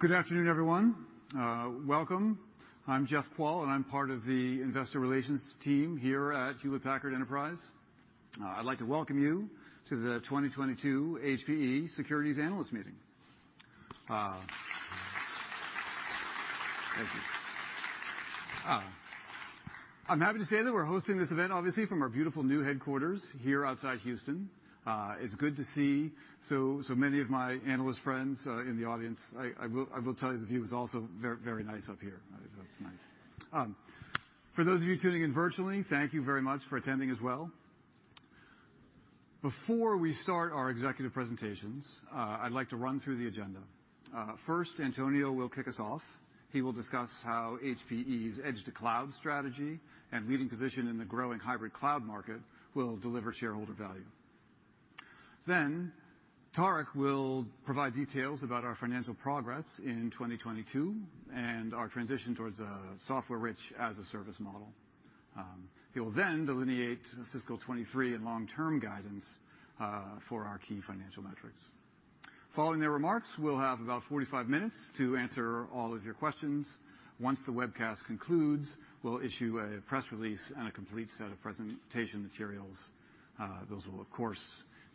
Good afternoon, everyone. Welcome. I'm Jeff Kvaal, and I'm part of the Investor Relations team here at Hewlett Packard Enterprise. I'd like to welcome you to the 2022 HPE Securities Analyst Meeting. Thank you. I'm happy to say that we're hosting this event, obviously, from our beautiful new headquarters here outside Houston. It's good to see so many of my analyst friends in the audience. I will tell you the view is also very nice up here. It's nice. For those of you tuning in virtually, thank you very much for attending as well. Before we start our executive presentations, I'd like to run through the agenda. First, Antonio will kick us off. He will discuss how HPE's Edge-to-Cloud Strategy and leading position in the growing hybrid cloud market will deliver shareholder value. Tarek will provide details about our financial progress in 2022 and our transition towards a software-rich, as-a-Service model. He will then delineate fiscal 2023 and long-term guidance for our key financial metrics. Following their remarks, we'll have about 45 minutes to answer all of your questions. Once the webcast concludes, we'll issue a press release and a complete set of presentation materials. Those will of course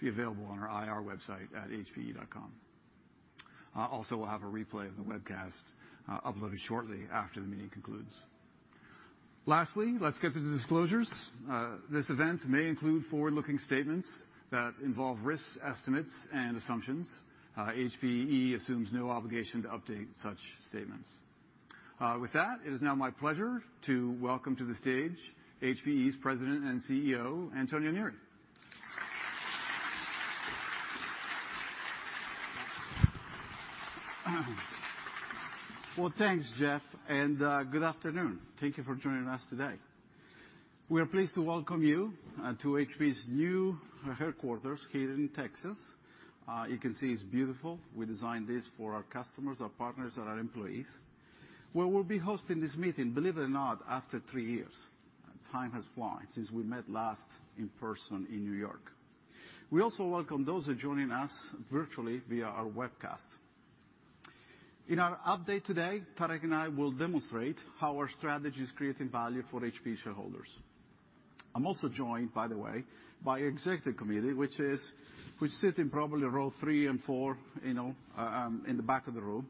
be available on our IR website at hpe.com. Also we'll have a replay of the webcast uploaded shortly after the meeting concludes. Lastly, let's get to the disclosures. This event may include forward-looking statements that involve risk estimates and assumptions. HPE assumes no obligation to update such statements. With that, it is now my pleasure to welcome to the stage HPE's president and CEO, Antonio Neri. Well, thanks, Jeff, and good afternoon. Thank you for joining us today. We are pleased to welcome you to HPE's new headquarters here in Texas. You can see it's beautiful. We designed this for our customers, our partners, and our employees. Where we'll be hosting this meeting, believe it or not, after three years. Time has flown since we met last in person in New York. We also welcome those who are joining us virtually via our webcast. In our update today, Tarek and I will demonstrate how our strategy is creating value for HPE shareholders. I'm also joined, by the way, by executive committee, which sit in probably row three and four, you know, in the back of the room.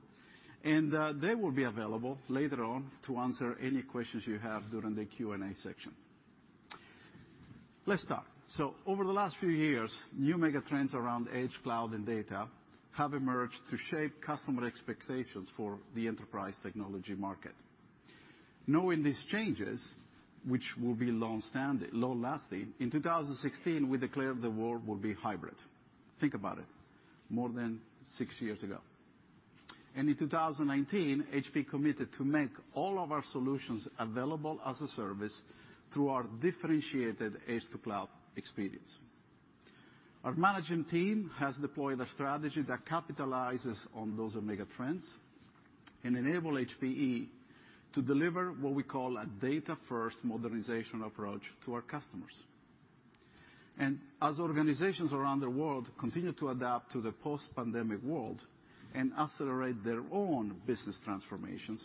They will be available later on to answer any questions you have during the Q&A section. Let's start. Over the last few years, new mega trends around edge, cloud, and data have emerged to shape customer expectations for the enterprise technology market. Knowing these changes, which will be long-standing, long-lasting, in 2016, we declared the world will be hybrid. Think about it, more than six years ago. In 2019, HPE committed to make all of our solutions available as a service through our differentiated edge-to-cloud experience. Our management team has deployed a strategy that capitalizes on those mega trends and enable HPE to deliver what we call a data-first modernization approach to our customers. As organizations around the world continue to adapt to the post-pandemic world and accelerate their own business transformations,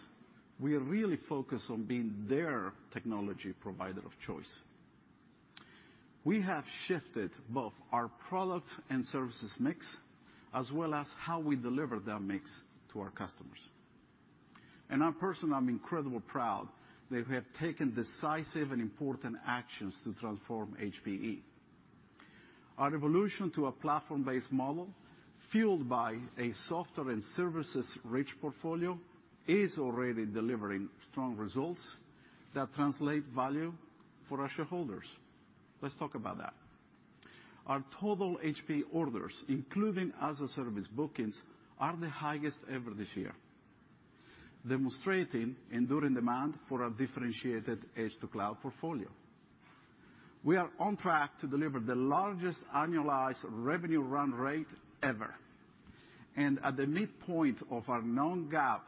we are really focused on being their technology provider of choice. We have shifted both our product and services mix, as well as how we deliver that mix to our customers. I'm personally incredibly proud that we have taken decisive and important actions to transform HPE. Our evolution to a platform-based model, fueled by a software and services-rich portfolio, is already delivering strong results that translate value for our shareholders. Let's talk about that. Our total HPE orders, including as-a-Service bookings, are the highest ever this year, demonstrating enduring demand for our differentiated edge-to-cloud portfolio. We are on track to deliver the largest annualized revenue run rate ever. At the midpoint of our non-GAAP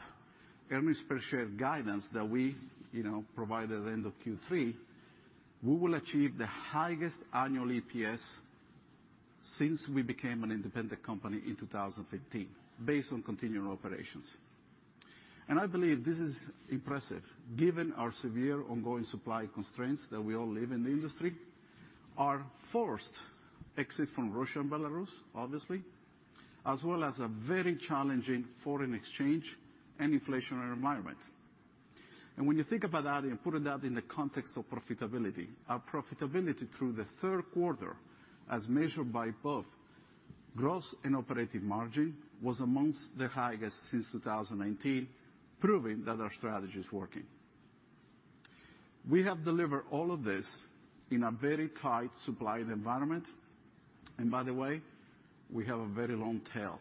earnings per share guidance that we, you know, provided at end of Q3, we will achieve the highest annual EPS since we became an independent company in 2015, based on continuing operations. I believe this is impressive given our severe ongoing supply constraints that we all live in the industry, our forced exit from Russia and Belarus, obviously, as well as a very challenging foreign exchange and inflationary environment. When you think about that and putting that in the context of profitability, our profitability through the third quarter as measured by both gross and operating margin, was amongst the highest since 2019, proving that our strategy is working. We have delivered all of this in a very tight supply environment. By the way, we have a very long tail,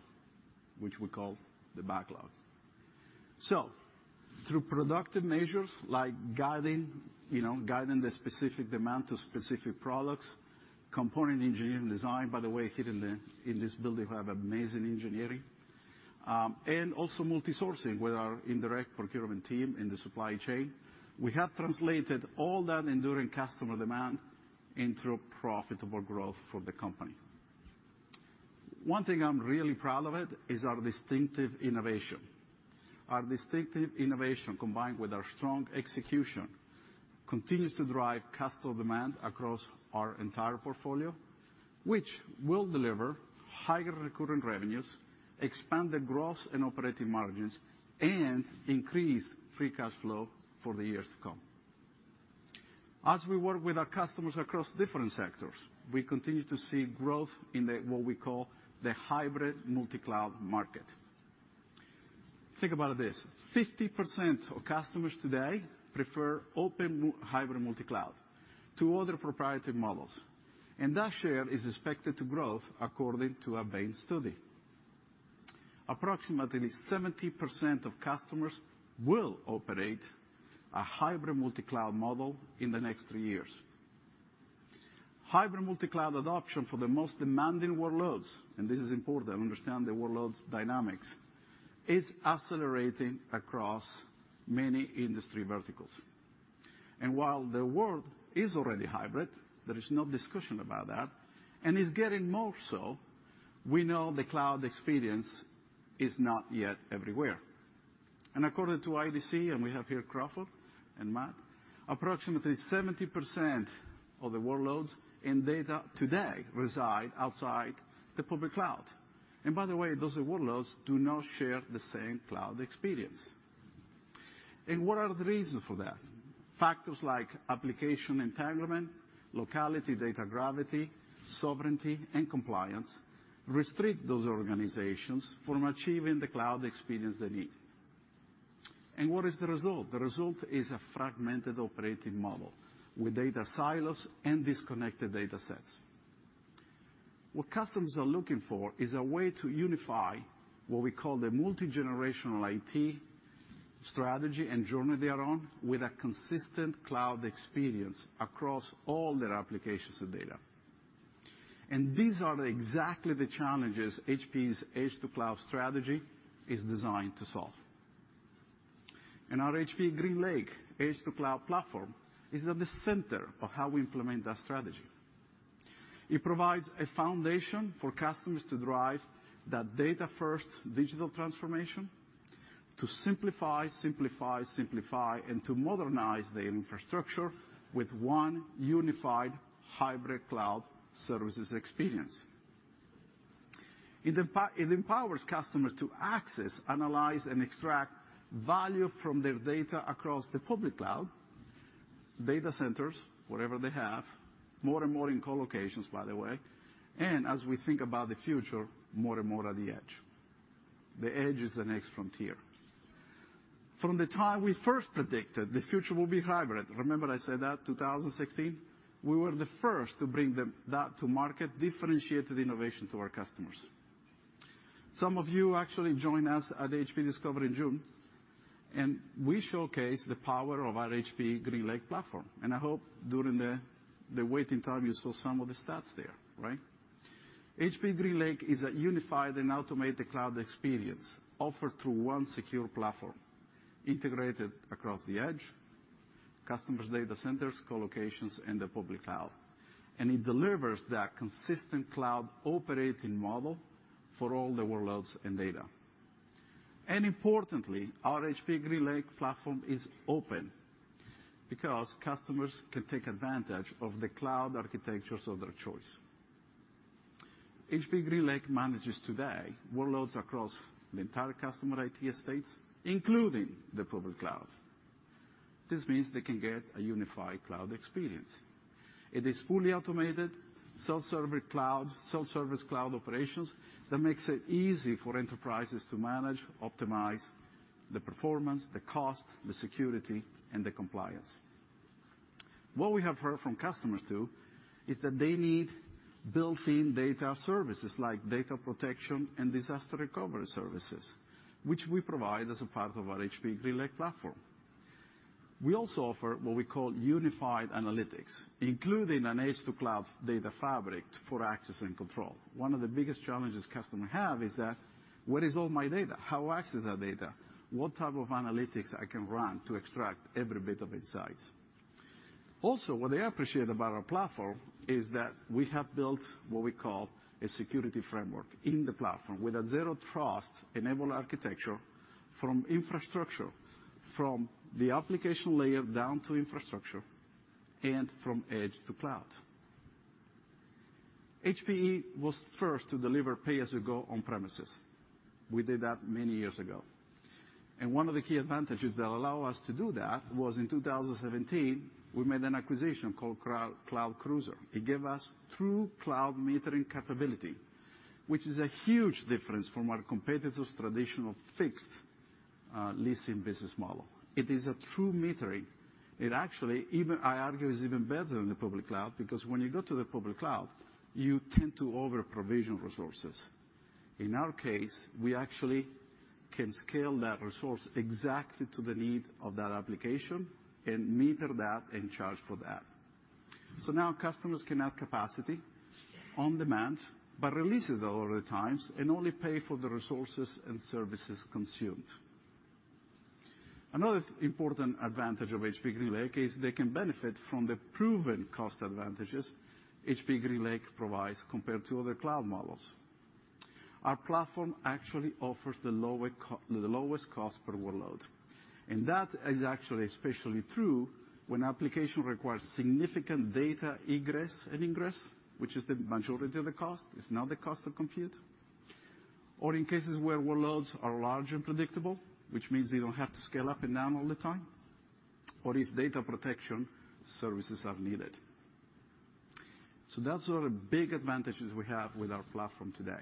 which we call the backlog. Through productive measures like guiding you know the specific demand to specific products, component engineering design, by the way, here in this building we have amazing engineering, and also multi-sourcing with our indirect procurement team in the supply chain. We have translated all that enduring customer demand into profitable growth for the company. One thing I'm really proud of it is our distinctive innovation. Our distinctive innovation, combined with our strong execution, continues to drive customer demand across our entire portfolio, which will deliver higher recurring revenues, expanded gross and operating margins, and increase free cash flow for the years to come. As we work with our customers across different sectors, we continue to see growth in the what we call the Hybrid Multi-Cloud market. Think about this, 50% of customers today prefer open Hybrid Multi-Cloud to other proprietary models, and that share is expected to grow according to a Bain study. Approximately 70% of customers will operate a Hybrid Multi-Cloud model in the next three years. Hybrid Multi-Cloud adoption for the most demanding workloads, and this is important, understand the workload dynamics, is accelerating across many industry verticals. While the world is already hybrid, there is no discussion about that, and is getting more so, we know the cloud experience is not yet everywhere. According to IDC, and we have here Crawford and Matt, approximately 70% of the workloads and data today reside outside the public cloud. By the way, those workloads do not share the same cloud experience. What are the reasons for that? Factors like Application Entanglement, Locality, Data Gravity, Sovereignty, and Compliance restrict those organizations from achieving the cloud experience they need. What is the result? The result is a fragmented operating model with data silos and disconnected data sets. What customers are looking for is a way to unify, what we call the multi-generational IT strategy and journey they are on, with a consistent cloud experience across all their applications and data. These are exactly the challenges HPE's Edge-to-Cloud Strategy is designed to solve. Our HPE GreenLake Edge-to-Cloud Platform is at the center of how we implement that strategy. It provides a foundation for customers to drive that data first digital transformation to simplify, simplify, and to modernize their infrastructure with one unified hybrid cloud services experience. It empowers customers to access, analyze, and extract value from their data across the public cloud, data centers, whatever they have, more and more in co-locations, by the way, and as we think about the future, more and more at the edge. The edge is the next frontier. From the time we first predicted the future will be hybrid, remember I said that, 2016, we were the first to bring that to market differentiated innovation to our customers. Some of you actually joined us at HPE Discover in June, and we showcased the power of our HPE GreenLake platform. I hope during the waiting time, you saw some of the stats there, right? HPE GreenLake is a unified and automated cloud experience offered through one secure platform, integrated across the edge, customers' data centers, co-locations, and the public cloud. It delivers that consistent cloud operating model for all the workloads and data. Importantly, our HPE GreenLake platform is open because customers can take advantage of the cloud architectures of their choice. HPE GreenLake manages their workloads across the entire customer IT estates, including the public cloud. This means they can get a unified cloud experience. It is fully automated, self-service cloud, self-service cloud operations that makes it easy for enterprises to manage, optimize the performance, the cost, the security, and the compliance. What we have heard from customers, too, is that they need built-in data services, like Data Protection and Disaster Recovery Services, which we provide as a part of our HPE GreenLake platform. We also offer what we call unified analytics, including an edge-to-cloud data fabric for access and control. One of the biggest challenges customers have is that, where is all my data? How I access that data? What type of analytics I can run to extract every bit of insights? Also, what they appreciate about our platform is that we have built what we call a security framework in the platform, with a Zero Trust enabled architecture from infrastructure, from the application layer down to infrastructure, and from edge to cloud. HPE was first to deliver Pay-as-You-Go on premises. We did that many years ago. One of the key advantages that allow us to do that was in 2017, we made an acquisition called Cloud Cruiser. It gave us true Cloud Metering capability, which is a huge difference from our competitors' traditional fixed leasing business model. It is a true metering. It actually, even I argue, is even better than the public cloud, because when you go to the public cloud, you tend to overprovision resources. In our case, we actually can scale that resource exactly to the need of that application and meter that and charge for that. Now customers can add capacity on demand, but release it a lot of the times and only pay for the resources and services consumed. Another important advantage of HPE GreenLake is they can benefit from the proven cost advantages HPE GreenLake provides compared to other cloud models. Our platform actually offers the lowest cost per workload, and that is actually especially true when application requires significant data egress and ingress, which is the majority of the cost. It's not the cost of compute. In cases where workloads are large and predictable, which means they don't have to scale up and down all the time, or if Data Protection Services are needed. That's one of the big advantages we have with our platform today.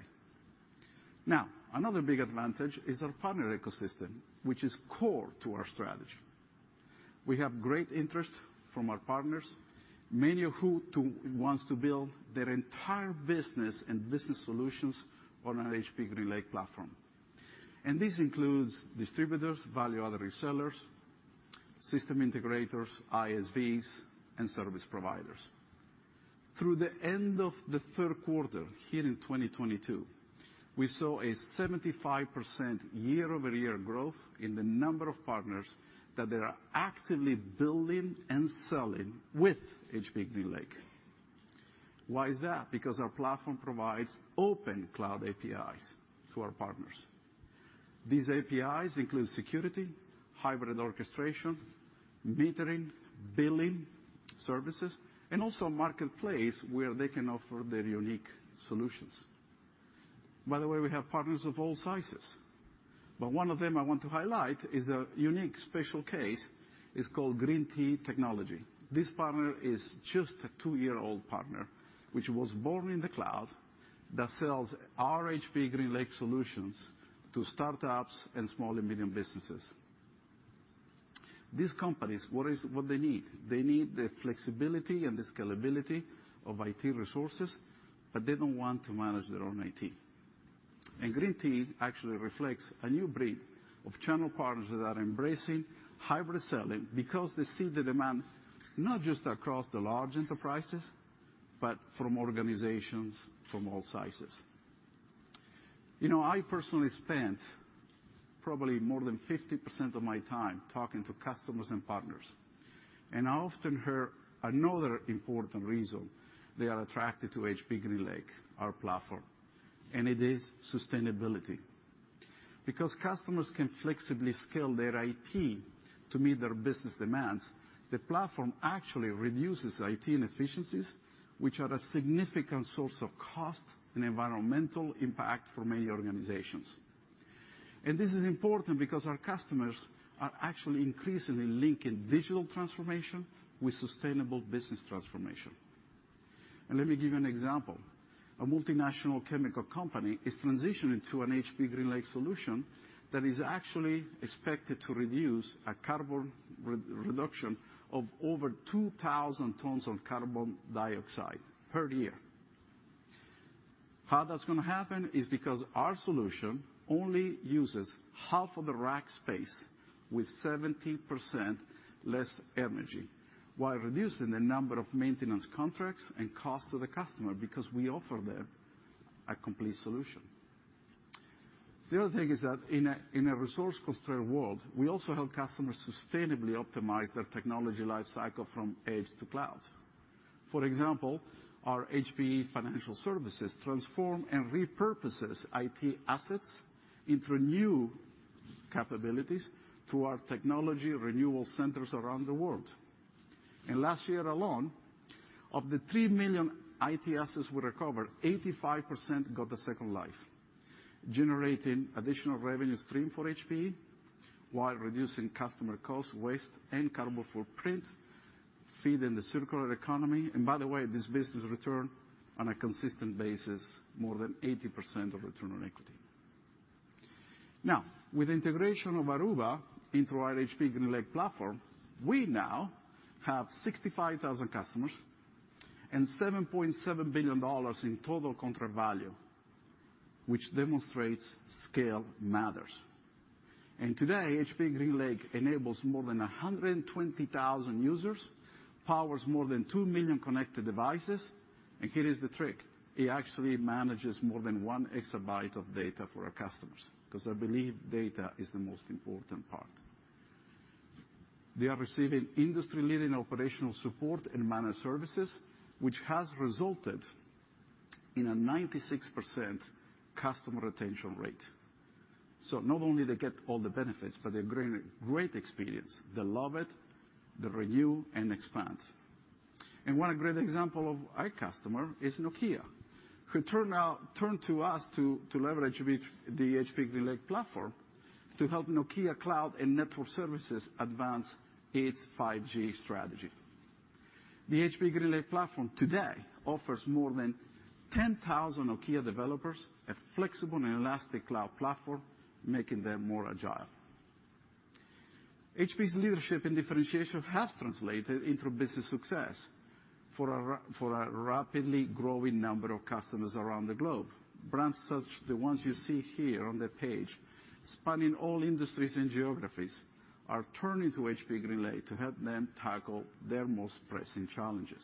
Now, another big advantage is our Partner Ecosystem, which is core to our strategy. We have great interest from our partners, many of whom want to build their entire business and business solutions on our HPE GreenLake platform. This includes distributors, value-added resellers, system integrators, ISVs, and service providers. Through the end of the third quarter here in 2022, we saw a 75% year-over-year growth in the number of partners that they are actively building and selling with HPE GreenLake. Why is that? Because our platform provides open cloud APIs to our partners. These APIs include security, hybrid orchestration, metering, billing, services, and also a marketplace where they can offer their unique solutions. By the way, we have partners of all sizes, but one of them I want to highlight is a unique special case, is called Green Tea Technology. This partner is just a two-year-old partner, which was born in the cloud, that sells our HPE GreenLake solutions to startups and small and medium businesses. These companies, what they need, they need the flexibility and the scalability of IT resources, but they don't want to manage their own IT. Green Tea actually reflects a new breed of channel partners that are embracing hybrid selling because they see the demand, not just across the large enterprises, but from organizations from all sizes. You know, I personally spend probably more than 50% of my time talking to customers and partners, and I often hear another important reason they are attracted to HPE GreenLake, our platform, and it is sustainability. Because customers can flexibly scale their IT to meet their business demands, the platform actually reduces IT inefficiencies, which are a significant source of cost and environmental impact for many organizations. This is important because our customers are actually increasingly linking digital transformation with sustainable business transformation. Let me give you an example. A multinational chemical company is transitioning to an HPE GreenLake solution that is actually expected to reduce a Carbon Reduction of over 2,000 tons of carbon dioxide per year. How that's gonna happen is because our solution only uses half of the rack space with 70% less energy, while reducing the number of maintenance contracts and cost to the customer because we offer them a complete solution. The other thing is that in a resource-constrained world, we also help customers sustainably optimize their technology life cycle from edge to cloud. For example, our HPE Financial Services transform and repurposes IT assets into new capabilities through our Technology Renewal Centers around the world. Last year alone, of the 3 million IT assets we recovered, 85% got a second life, generating additional revenue stream for HPE while reducing customer cost, waste, and carbon footprint, feeding the Circular Economy. By the way, this business return on a consistent basis, more than 80% of Return on Equity. Now, with integration of Aruba into our HPE GreenLake platform, we now have 65,000 Customers and $7.7 billion in Total Contract Value, which demonstrates scale matters. Today, HPE GreenLake enables more than 120,000 users, powers more than 2 million connected devices, and here is the trick, it actually manages more than 1 Exabyte of Data for our customers, 'cause I believe data is the most important part. They are receiving industry-leading operational support and managed services, which has resulted in a 96% Customer Retention rate. Not only they get all the benefits, but they're getting great experience. They love it. They renew and expand. One great example of a customer is Nokia, who turn to us to leverage the HPE GreenLake platform to help Nokia Cloud and Network Services advance its 5G strategy. The HPE GreenLake platform today offers more than 10,000 Nokia developers a flexible and elastic cloud platform, making them more agile. HPE's leadership and differentiation has translated into business success for a rapidly growing number of customers around the globe. Brands such as the ones you see here on the page, spanning all industries and geographies, are turning to HPE GreenLake to help them tackle their most pressing challenges.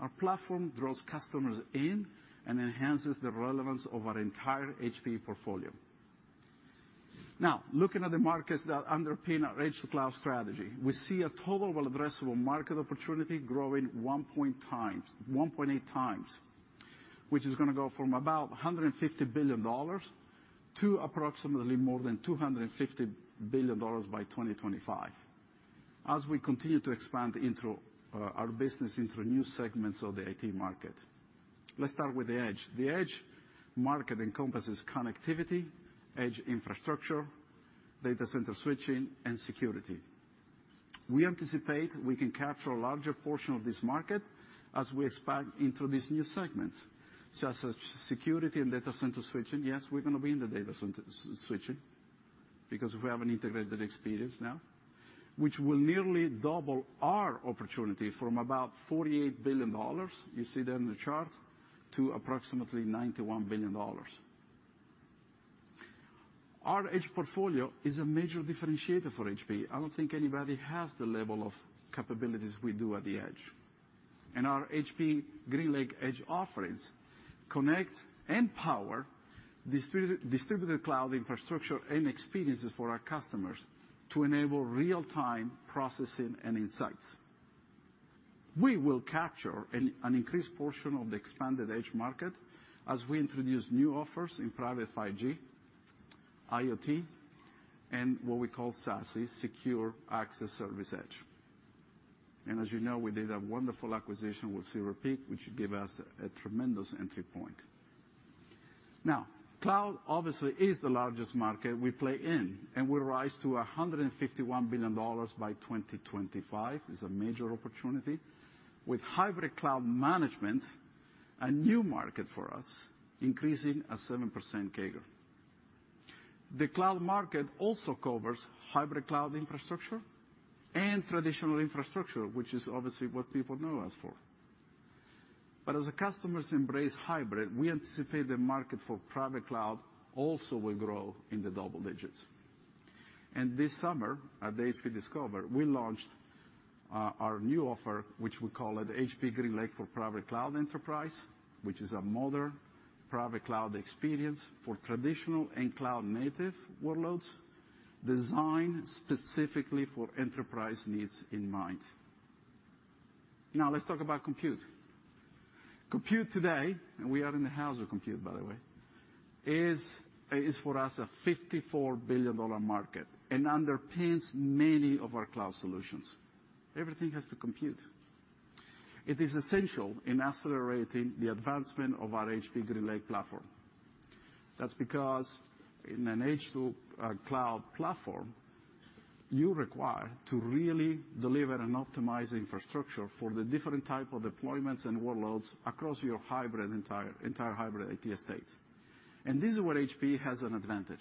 Our platform draws customers in and enhances the relevance of our entire HPE portfolio. Now, looking at the markets that underpin our edge to cloud strategy, we see a Total Addressable Market opportunity growing 1x, 1.8x, which is gonna go from about $150 billion to approximately more than $250 billion by 2025. As we continue to expand our business into new segments of the IT market. Let's start with the edge. The Edge, Market Encompasses Connectivity, Edge Infrastructure, Data Center Switching, and Security. We anticipate we can capture a larger portion of this market as we expand into these new segments. Such as security and data center switching. Yes, we're gonna be in the data center switching because we have an integrated experience now, which will nearly double our opportunity from about $48 billion, you see there in the chart, to approximately $91 billion. Our edge portfolio is a major differentiator for HPE. I don't think anybody has the level of capabilities we do at the edge. Our HPE GreenLake Edge offerings connect and power distributed cloud infrastructure and experiences for our customers to enable real-time processing and insights. We will capture an increased portion of the expanded edge market as we introduce new offers in Private 5G, IoT, and what we call SASE, Secure Access Service Edge. As you know, we did a wonderful acquisition with Silver Peak, which gave us a tremendous entry point. Now, cloud obviously is the largest market we play in, and will rise to $151 billion by 2025. It's a major opportunity. With hybrid Cloud Management, a new market for us, increasing at 7% CAGR. The cloud market also covers Hybrid Cloud Infrastructure and traditional infrastructure, which is obviously what people know us for. As the customers embrace hybrid, we anticipate the market for private cloud also will grow in the double digits. This summer, at HPE Discover, we launched our new offer, which we call it HPE GreenLake for Private Cloud Enterprise, which is a modern private cloud experience for traditional and cloud-native workloads, designed specifically for enterprise needs in mind. Now, let's talk about compute. Compute today, and we are in the house of compute by the way, is for us a $54 billion market and underpins many of our cloud solutions. Everything has to compute. It is essential in accelerating the advancement of our HPE GreenLake platform. That's because in an edge to cloud platform, you require to really deliver an optimized infrastructure for the different type of deployments and workloads across your entire hybrid IT estates. This is where HPE has an advantage,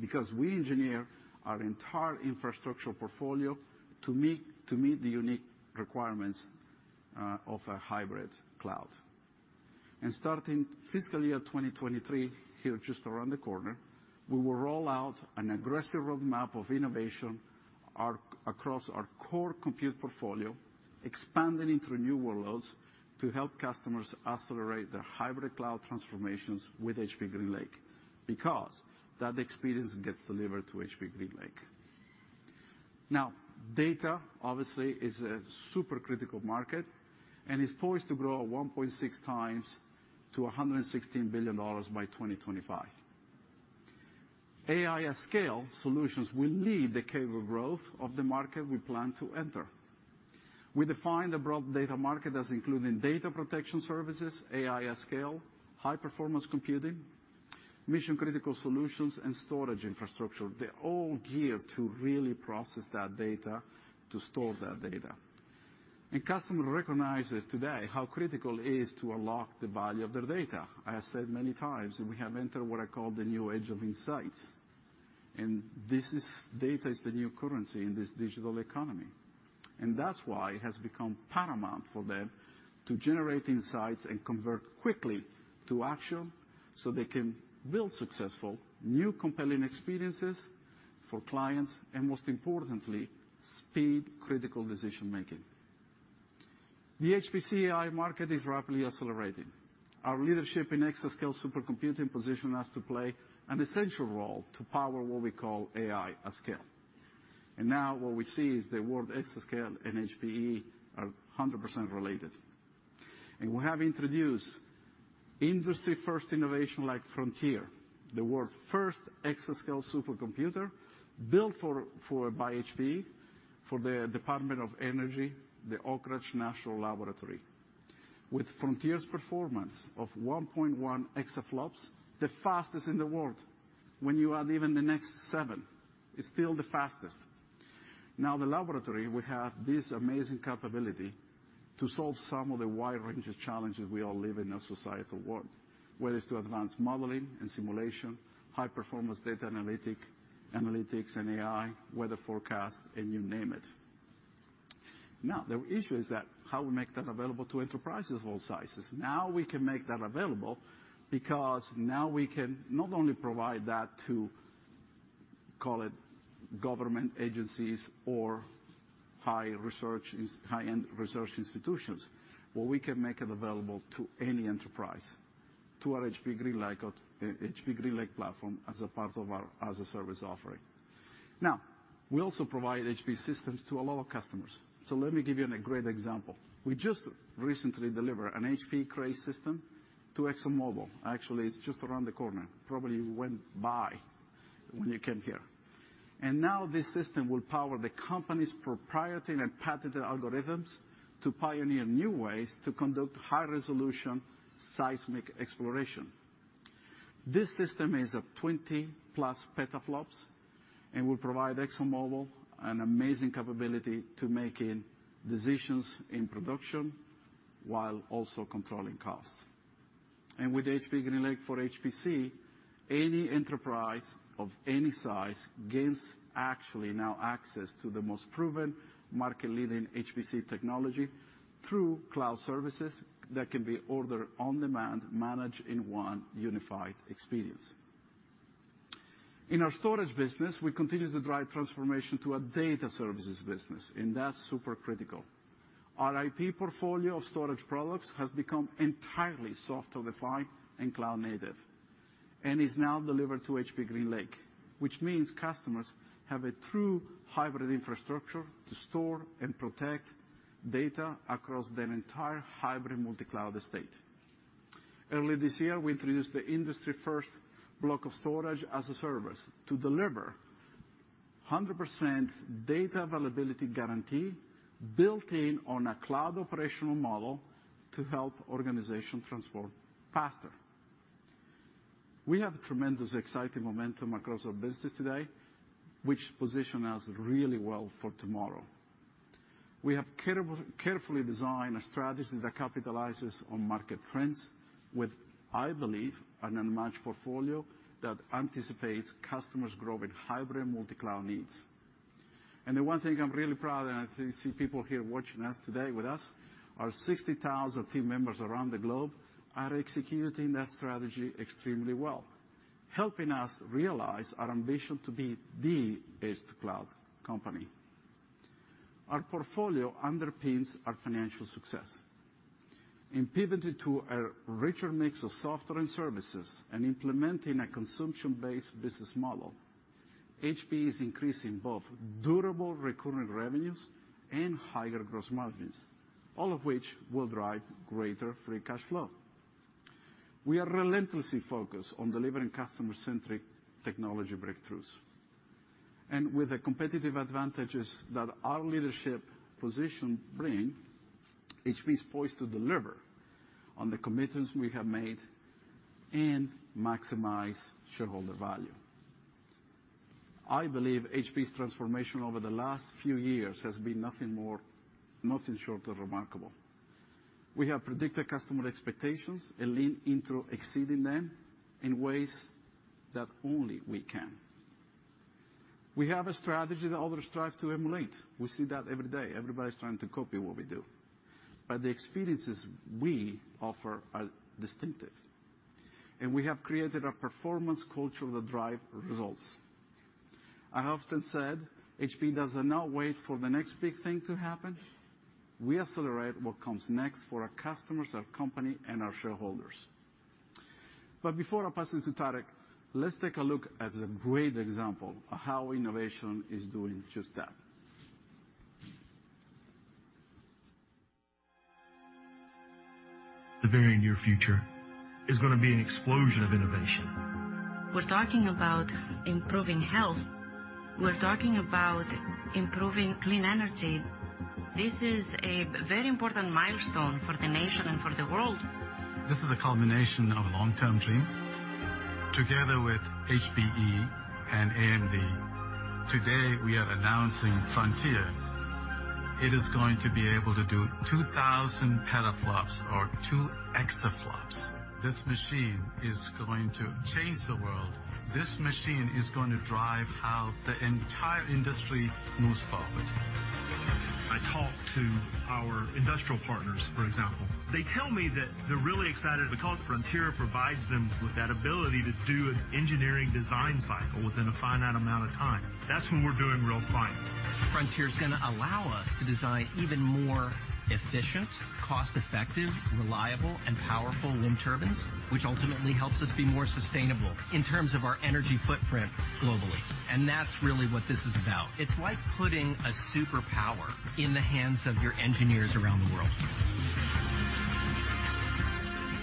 because we engineer our entire infrastructure portfolio to meet the unique requirements of a hybrid cloud. Starting fiscal year 2023, here just around the corner, we will roll out an aggressive roadmap of innovation across our core compute portfolio, expanding into new workloads to help customers accelerate their hybrid cloud transformations with HPE GreenLake, because that experience gets delivered to HPE GreenLake. Now, data obviously is a super critical market, and is poised to grow 1.6x to $116 billion by 2025. AI at scale solutions will lead the CAGR growth of the market we plan to enter. We define the broad data market as including Data Protection Services, AI at scale, high-performance computing, mission-critical solutions, and storage infrastructure. They're all geared to really process that data, to store that data. Customer recognizes today how critical it is to unlock the value of their data. I have said many times that we have entered what I call the new age of insights. This is. Data is the new currency in this digital economy. That's why it has become paramount for them to generate insights and convert quickly to action, so they can build successful, new compelling experiences for clients, and most importantly, speed critical decision making. The HPC AI market is rapidly accelerating. Our leadership in Exascale Supercomputing positions us to play an essential role to power what we call AI at scale. Now what we see is the word exascale and HPE are 100% related. We have introduced industry-first innovation like Frontier, the world's first exascale supercomputer, built for by HPE, for the Department of Energy, the Oak Ridge National Laboratory. With Frontier's performance of 1.1 exaFLOPS, the fastest in the world. When you add even the next seven, it's still the fastest. Now the laboratory will have this amazing capability to solve some of the wide range of challenges we all live in our societal world, whether it's to advance modeling and simulation, high-performance data analytic, analytics and AI, weather forecast, and you name it. Now, the issue is that how we make that available to enterprises of all sizes. Now we can make that available, because now we can not only provide that to, call it, government agencies or high research, high-end research institutions, where we can make it available to any enterprise, to our HPE GreenLake, HPE GreenLake platform as a part of our as-a-Service offering. Now, we also provide HPE systems to a lot of customers. So let me give you a great example. We just recently delivered an HPE Cray system to ExxonMobil. Actually, it's just around the corner, probably you went by when you came here. Now this system will power the company's proprietary and patented algorithms to pioneer new ways to conduct high-resolution seismic exploration. This system is of 20+ petaflops and will provide ExxonMobil an amazing capability to making decisions in production while also controlling costs. With HPE GreenLake for HPC, any enterprise of any size gains actually now access to the most proven market-leading HPC technology through cloud services that can be ordered on demand, managed in one unified experience. In our storage business, we continue to drive transformation to a data services business, and that's super critical. Our IP portfolio of storage products has become entirely software-defined and cloud native, and is now delivered through HPE GreenLake, which means customers have a true hybrid infrastructure to store and protect data across their entire Hybrid Multi-Cloud estate. Early this year, we introduced the industry first block of storage-as-a-Service to deliver 100% Data Availability Guarantee built in on a cloud operational model to help organizations transform faster. We have tremendous exciting momentum across our business today, which position us really well for tomorrow. We have carefully designed a strategy that capitalizes on market trends with, I believe, an unmatched portfolio that anticipates customers' growing Hybrid Multi-Cloud needs. The one thing I'm really proud of, I see people here watching us today with us, our 60,000 team members around the globe are executing that strategy extremely well, helping us realize our ambition to be the edge-to-cloud company. Our portfolio underpins our financial success. In pivoting to a richer mix of software and services and implementing a consumption-based business model, HPE is increasing both durable recurring revenues and higher gross margins, all of which will drive greater free cash flow. We are relentlessly focused on delivering customer-centric technology breakthroughs. With the competitive advantages that our leadership position bring, HPE is poised to deliver on the commitments we have made and maximize shareholder value. I believe HPE's transformation over the last few years has been nothing more, nothing short of remarkable. We have predicted customer expectations and leaned into exceeding them in ways that only we can. We have a strategy that others strive to emulate. We see that every day. Everybody's trying to copy what we do. The experiences we offer are distinctive, and we have created a performance culture that drive results. I have often said HPE does not wait for the next big thing to happen. We accelerate what comes next for our customers, our company, and our shareholders. Before I pass it to Tarek, let's take a look at a great example of how innovation is doing just that. The very near future is gonna be an explosion of innovation. We're talking about improving health. We're talking about improving clean energy. This is a very important milestone for the nation and for the world. This is a culmination of a long-term dream. Together with HPE and AMD, today we are announcing Frontier. It is going to be able to do 2,000 petaflops or 2 exaflops. This machine is going to change the world. This machine is going to drive how the entire industry moves forward. I talk to our industrial partners, for example. They tell me that they're really excited because Frontier provides them with that ability to do an engineering design cycle within a finite amount of time. That's when we're doing real science. Frontier is gonna allow us to design even more efficient, cost-effective, reliable, and powerful wind turbines, which ultimately helps us be more sustainable in terms of our energy footprint globally. That's really what this is about. It's like putting a superpower in the hands of your engineers around the world.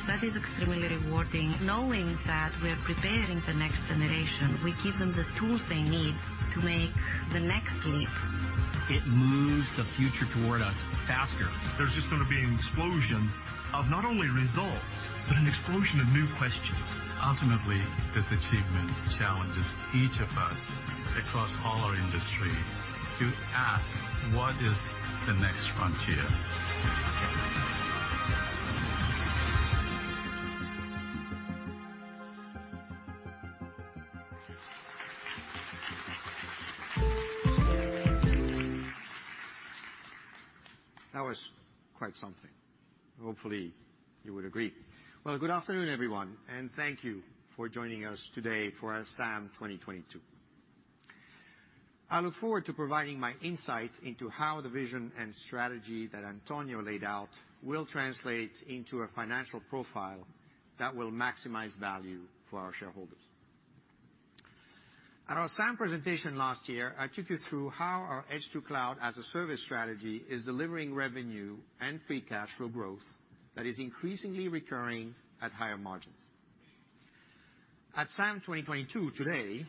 That is extremely rewarding, knowing that we are preparing the next generation. We give them the tools they need to make the next leap. It moves the future toward us faster. There's just gonna be an explosion of not only results, but an explosion of new questions. Ultimately, this achievement challenges each of us across all our industry to ask, "What is the next frontier? That was quite something. Hopefully, you would agree. Well, good afternoon, everyone, and thank you for joining us today for our SAM 2022. I look forward to providing my insight into how the vision and strategy that Antonio laid out will translate into a financial profile that will maximize value for our shareholders. At our SAM presentation last year, I took you through how our edge to cloud as a service strategy is delivering revenue and free cash flow growth that is increasingly recurring at higher margins. At SAM 2022 today,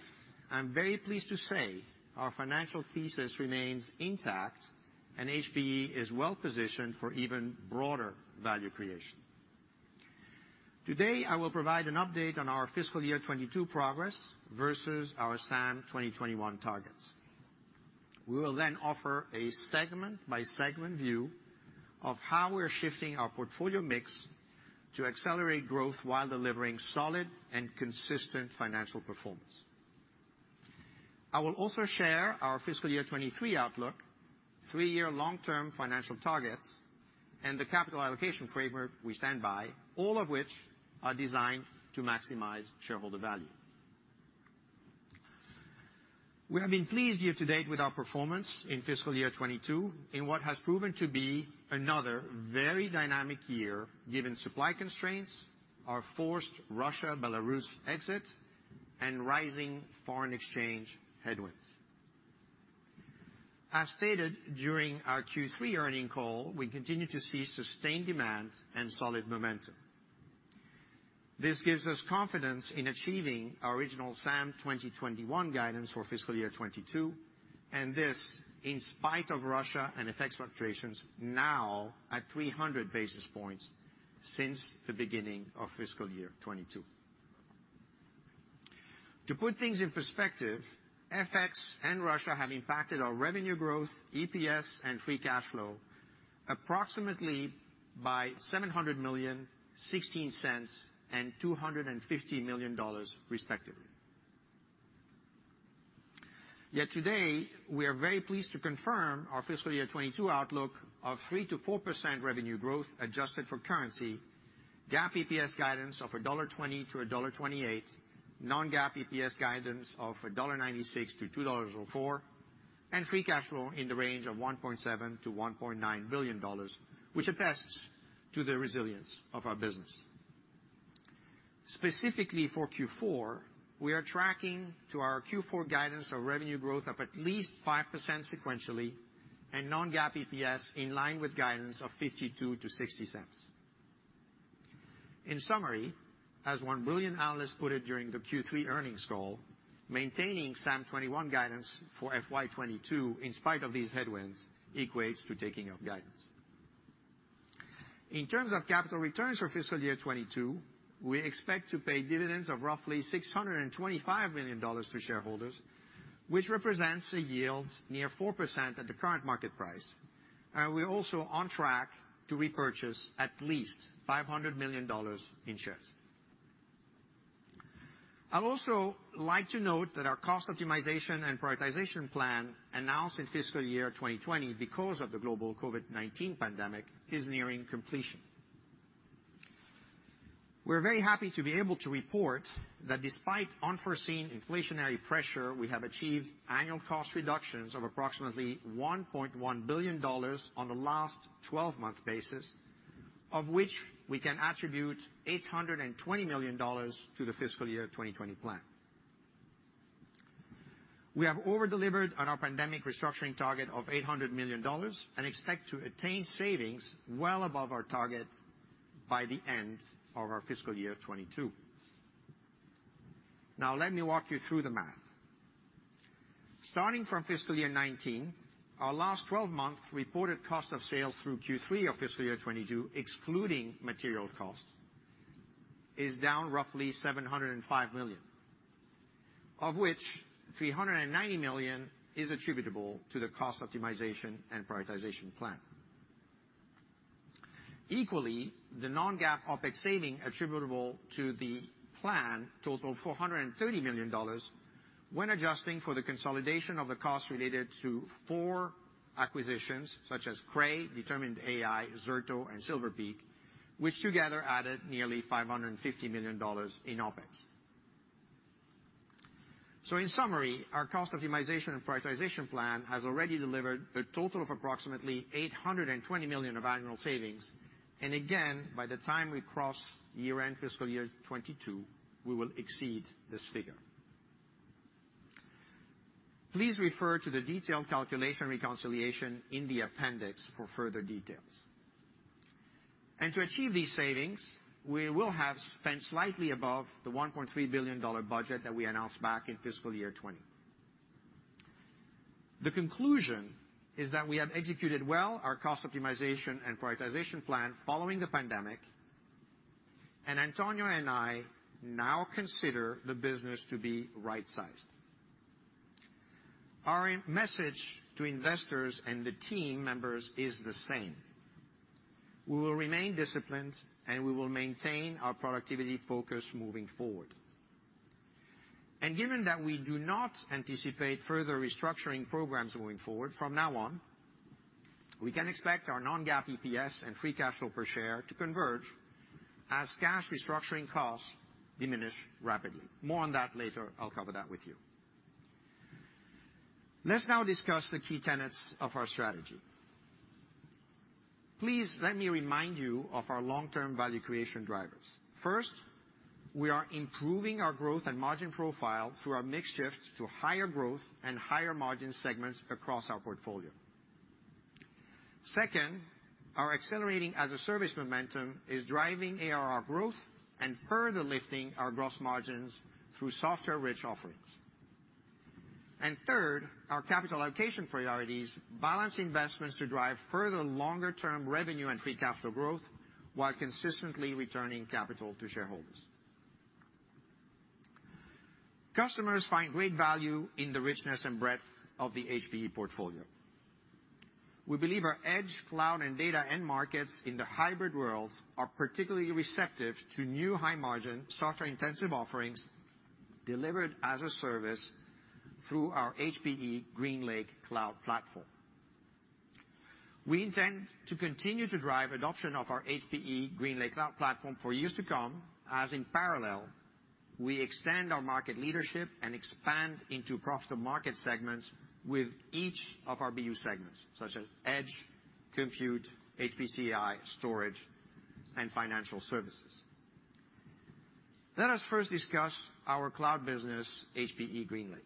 I'm very pleased to say our financial thesis remains intact, and HPE is well-positioned for even broader Value Creation. Today, I will provide an update on our fiscal year 2022 progress versus our SAM 2021 targets. We will then offer a segment-by-segment view of how we're shifting our portfolio mix to accelerate growth while delivering solid and consistent financial performance. I will also share our fiscal year 2023 outlook, three-year long-term financial targets, and the capital allocation framework we stand by, all of which are designed to maximize shareholder value. We have been pleased year to date with our performance in fiscal year 2022 in what has proven to be another very dynamic year, given supply constraints, our forced Russia-Belarus exit, and rising foreign exchange headwinds. As stated during our Q3 earnings call, we continue to see sustained demand and solid momentum. This gives us confidence in achieving our original SAM 2021 guidance for fiscal year 2022, and this in spite of Russia and FX fluctuations now at 300 basis points since the beginning of fiscal year 2022. To put things in perspective, FX and Russia have impacted our Revenue Growth, EPS, and free cash flow approximately by $700 million, $0.16, and 250 million respectively. Today, we are very pleased to confirm our fiscal year 2022 outlook of 3%-4% revenue growth adjusted for currency, GAAP EPS guidance of $1.20-1.28, non-GAAP EPS guidance of $1.96-2.04, and free cash flow in the range of $1.7 billion-1.9 billion, which attests to the resilience of our business. Specifically for Q4, we are tracking to our Q4 guidance of revenue growth of at least 5% sequentially and non-GAAP EPS in line with guidance of $0.52-0.60. In summary, as 1 billion analysts put it during the Q3 earnings call, maintaining SAM 2021 guidance for FY 2022 in spite of these headwinds equates to taking of guidance. In terms of capital returns for fiscal year 2022, we expect to pay dividends of roughly $625 million to shareholders, which represents a yield near 4% at the current market price. We're also on track to repurchase at least $500 million in shares. I'll also like to note that our Cost Optimization & Prioritization Plan announced in fiscal year 2020 because of the global COVID-19 pandemic is nearing completion. We're very happy to be able to report that despite unforeseen inflationary pressure, we have achieved annual cost reductions of approximately $1.1 billion on the last twelve-month basis, of which we can attribute $820 million to the fiscal year 2020 plan. We have over-delivered on our pandemic restructuring target of $800 million and expect to attain savings well above our target by the end of our fiscal year 2022. Now let me walk you through the math. Starting from fiscal year 2019, our last 12-month reported cost of sales through Q3 of fiscal year 2022, excluding material costs, is down roughly $705 million, of which $390 million is attributable to the Cost Optimization & Prioritization Plan. Equally, the non-GAAP OpEx saving attributable to the plan totaled $430 million when adjusting for the consolidation of the cost related to four acquisitions such as Cray, Determined AI, Zerto, and Silver Peak, which together added nearly $550 million in OpEx. In summary, our Cost Optimization & Prioritization Plan has already delivered a total of approximately $820 million of annual savings. Again, by the time we cross year-end fiscal year 2022, we will exceed this figure. Please refer to the detailed calculation reconciliation in the appendix for further details. To achieve these savings, we will have spent slightly above the $1.3 billion budget that we announced back in fiscal year 2020. The conclusion is that we have executed well our Cost Optimization & Prioritization Plan following the pandemic, and Antonio and I now consider the business to be right-sized. Our message to investors and the team members is the same. We will remain disciplined, and we will maintain our productivity focus moving forward. Given that we do not anticipate further restructuring programs moving forward from now on, we can expect our non-GAAP EPS and free cash flow per share to converge as cash restructuring costs diminish rapidly. More on that later. I'll cover that with you. Let's now discuss the key tenets of our strategy. Please let me remind you of our long-term Value Creation Drivers. First, we are improving our growth and margin profile through our mix shift to higher growth and higher margin segments across our portfolio. Second, our accelerating as-a-Service momentum is driving ARR growth and further lifting our gross margins through software-rich offerings. Third, our capital allocation priorities balance investments to drive further longer-term revenue and free cash flow growth while consistently returning capital to shareholders. Customers find great value in the richness and breadth of the HPE portfolio. We believe our edge, cloud, and data end markets in the hybrid world are particularly receptive to new high margin, software-intensive offerings delivered as-a-Service through our HPE GreenLake cloud platform. We intend to continue to drive adoption of our HPE GreenLake cloud platform for years to come, as in parallel, we extend our market leadership and expand into profitable market segments with each of our BU segments, such as Edge, Compute, HPC/AI, Storage, and Financial Services. Let us first discuss our cloud business, HPE GreenLake.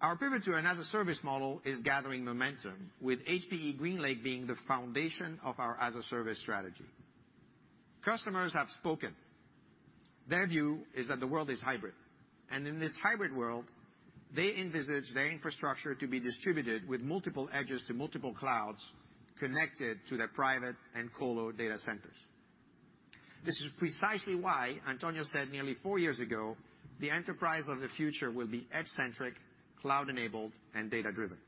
Our pivot to an as-a-Service model is gathering momentum, with HPE GreenLake being the foundation of our as-a-Service strategy. Customers have spoken. Their view is that the world is hybrid. In this hybrid world, they envisage their infrastructure to be distributed with multiple edges to multiple clouds, connected to their private and colo data centers. This is precisely why Antonio said nearly four years ago, the enterprise of the future will be edge-centric, cloud-enabled, and data-driven.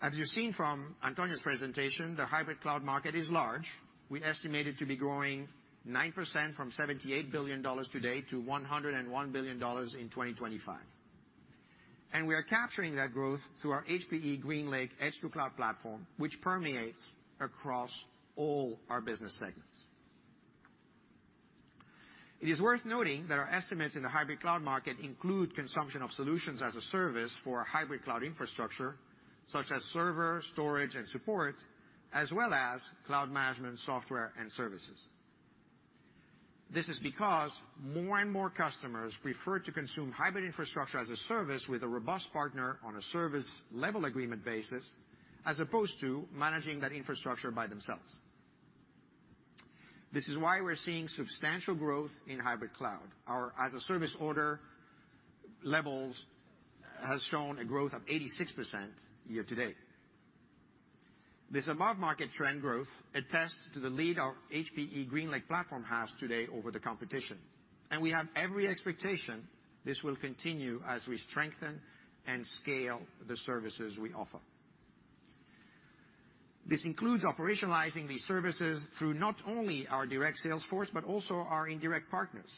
As you've seen from Antonio's presentation, the hybrid cloud market is large. We estimate it to be growing 9% from $78 billion today to $101 billion in 2025. We are capturing that growth through our HPE GreenLake Edge to Cloud platform, which permeates across all our business segments. It is worth noting that our estimates in the hybrid cloud market include consumption of solutions as-a-Service for Hybrid Cloud Infrastructure, such as server, storage, and support, as well as Cloud Management software and services. This is because more and more customers prefer to consume hybrid infrastructure as-a-Service with a robust partner on a service level agreement basis, as opposed to managing that infrastructure by themselves. This is why we're seeing substantial growth in hybrid cloud. Our as-a-Service order levels has shown a growth of 86% year to date. This above market trend growth attests to the lead our HPE GreenLake platform has today over the competition, and we have every expectation this will continue as we strengthen and scale the services we offer. This includes operationalizing these services through not only our direct sales force, but also our indirect partners.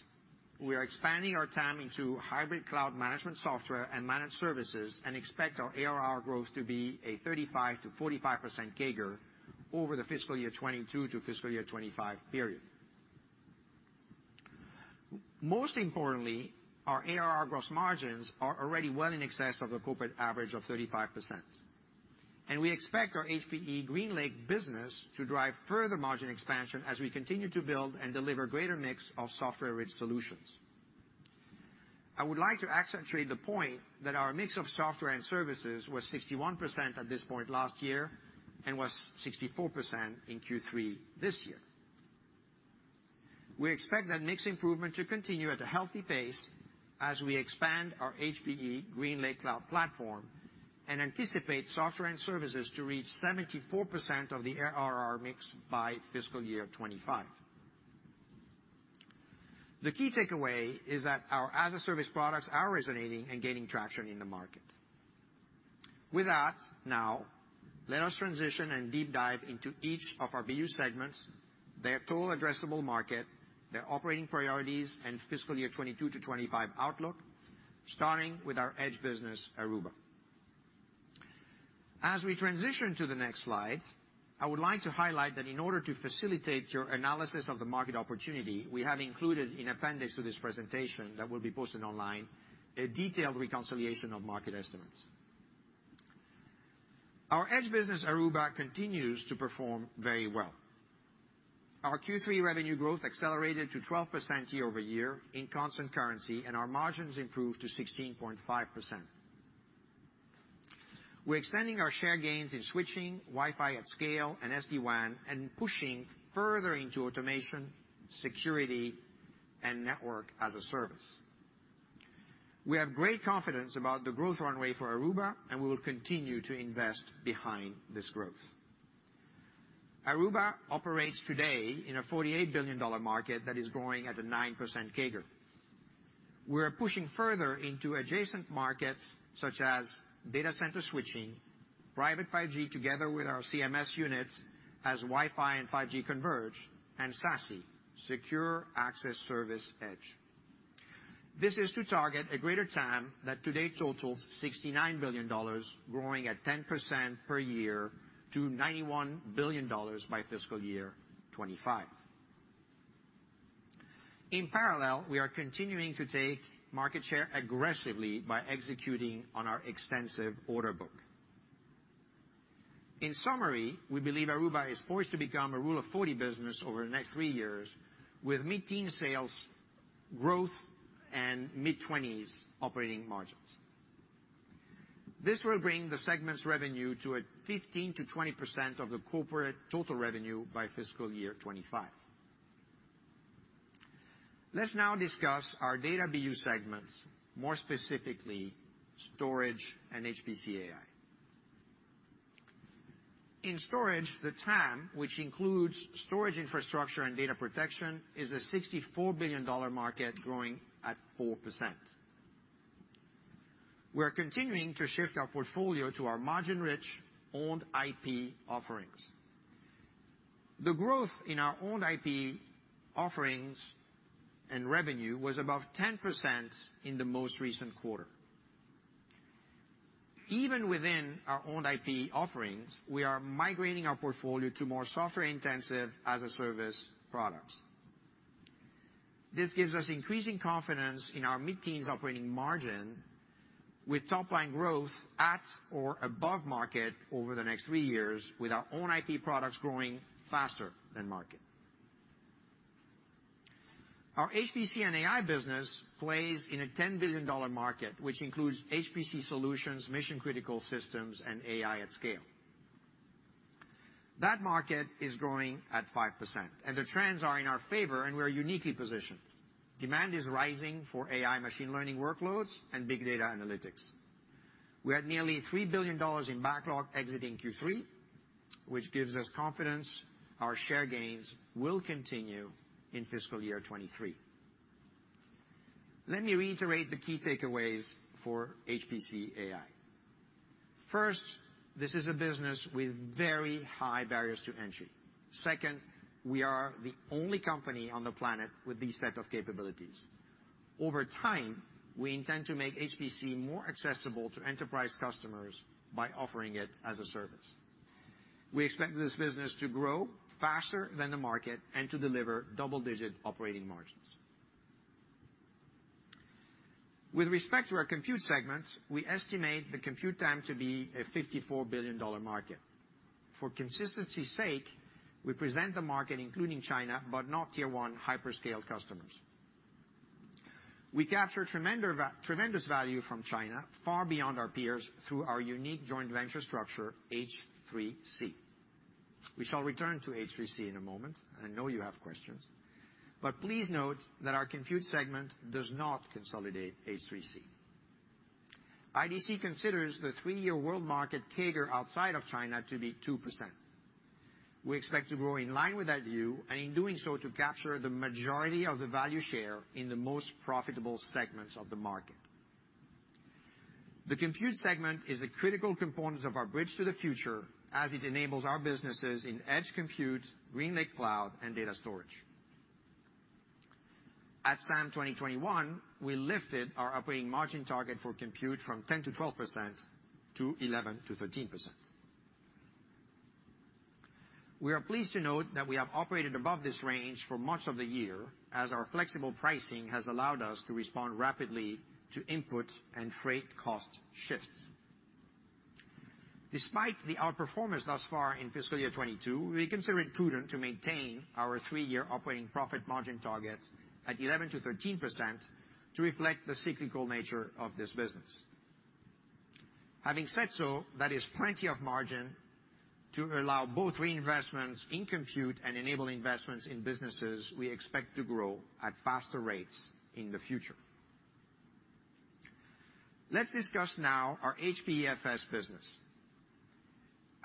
We are expanding our TAM into hybrid Cloud Management Software and Managed Services, and expect our ARR growth to be a 35%-45% CAGR over the fiscal year 2022 to fiscal year 2025 period. Most importantly, our ARR gross margins are already well in excess of the corporate average of 35%, and we expect our HPE GreenLake business to drive further margin expansion as we continue to build and deliver greater mix of software-rich solutions. I would like to accentuate the point that our mix of software and services was 61% at this point last year and was 64% in Q3 this year. We expect that mix improvement to continue at a healthy pace as we expand our HPE GreenLake cloud platform and anticipate software and services to reach 74% of the ARR mix by fiscal year 2025. The key takeaway is that our as-a-Service products are resonating and gaining traction in the market. With that, now, let us transition and deep dive into each of our BU segments, their Total Addressable Market, their operating priorities, and fiscal year 2022 to 2025 outlook, starting with our Edge business, Aruba. As we transition to the next slide, I would like to highlight that in order to facilitate your analysis of the market opportunity, we have included in appendix to this presentation that will be posted online, a detailed reconciliation of market estimates. Our Edge business, Aruba, continues to perform very well. Our Q3 revenue growth accelerated to 12% year-over-year in constant currency, and our margins improved to 16.5%. We're extending our share gains in switching, Wi-Fi at scale, and SD-WAN, and pushing further into Automation, Security, and Network-as-a-Service. We have great confidence about the growth runway for Aruba, and we will continue to invest behind this growth. Aruba operates today in a $48 billion market that is growing at a 9% CAGR. We're pushing further into adjacent market, such as data center switching, Private 5G together with our CMS units as Wi-Fi and 5G converge, and SASE, Secure Access Service Edge. This is to target a greater TAM that today totals $69 billion growing at 10% per year to $91 billion by fiscal year 2025. In parallel, we are continuing to take market share aggressively by executing on our extensive order book. In summary, we believe Aruba is poised to become a Rule of 40 business over the next three years with mid-teen sales growth and mid-twenties operating margins. This will bring the segment's revenue to 15%-20% of the corporate total revenue by fiscal year 2025. Let's now discuss our DataBU segments, more specifically Storage and HPC/AI. In storage, the TAM, which includes storage infrastructure and data protection, is a $64 billion market growing at 4%. We're continuing to shift our portfolio to our margin-rich owned IP offerings. The growth in our owned IP offerings and revenue was above 10% in the most recent quarter. Even within our owned IP offerings, we are migrating our portfolio to more software intensive as a service products. This gives us increasing confidence in our mid-teens operating margin with top line growth at or above market over the next three years with our own IP products growing faster than market. Our HPC & AI business plays in a $10 billion market, which includes HPC solutions, mission-critical systems, and AI at scale. That market is growing at 5%, and the trends are in our favor, and we are uniquely positioned. Demand is rising for AI machine learning workloads and big data analytics. We had nearly $3 billion in backlog exiting Q3, which gives us confidence our share gains will continue in fiscal year 2023. Let me reiterate the key takeaways for HPC/AI. First, this is a business with very high barriers to entry. Second, we are the only company on the planet with these set of capabilities. Over time, we intend to make HPC more accessible to enterprise customers by offering it as a service. We expect this business to grow faster than the market and to deliver double-digit operating margins. With respect to our Compute segment, we estimate the compute TAM to be a $54 billion market. For consistency's sake, we present the market including China, but not tier one hyperscale customers. We capture tremendous value from China far beyond our peers through our unique joint venture structure, H3C. We shall return to H3C in a moment, and I know you have questions. Please note that our Compute segment does not consolidate H3C. IDC considers the three-year world market CAGR outside of China to be 2%. We expect to grow in line with that view, and in doing so, to capture the majority of the value share in the most profitable segments of the market. The Compute segment is a critical component of our Bridge to the Future as it enables our businesses in Edge Compute, GreenLake cloud, and data storage. At SAM 2021, we lifted our operating margin target for Compute from 10%-12% to 11%-13%. We are pleased to note that we have operated above this range for much of the year as our flexible pricing has allowed us to respond rapidly to input and freight cost shifts. Despite the outperformance thus far in fiscal year 2022, we consider it prudent to maintain our three-year operating profit margin target at 11%-13% to reflect the cyclical nature of this business. Having said so, that is plenty of margin to allow both reinvestments in Compute and enable investments in businesses we expect to grow at faster rates in the future. Let's discuss now our HBFS business.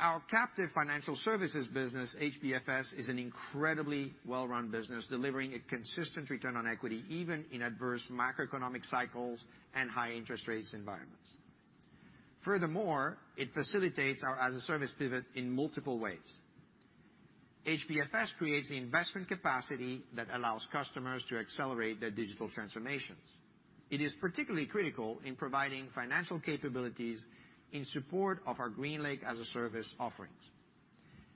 Our captive financial services business, HBFS, is an incredibly well-run business, delivering a consistent Return on Equity, even in adverse macroeconomic cycles and high interest rates environments. Furthermore, it facilitates our as a service pivot in multiple ways. HBFS creates the investment capacity that allows customers to accelerate their digital transformations. It is particularly critical in providing financial capabilities in support of our GreenLake as a service offerings.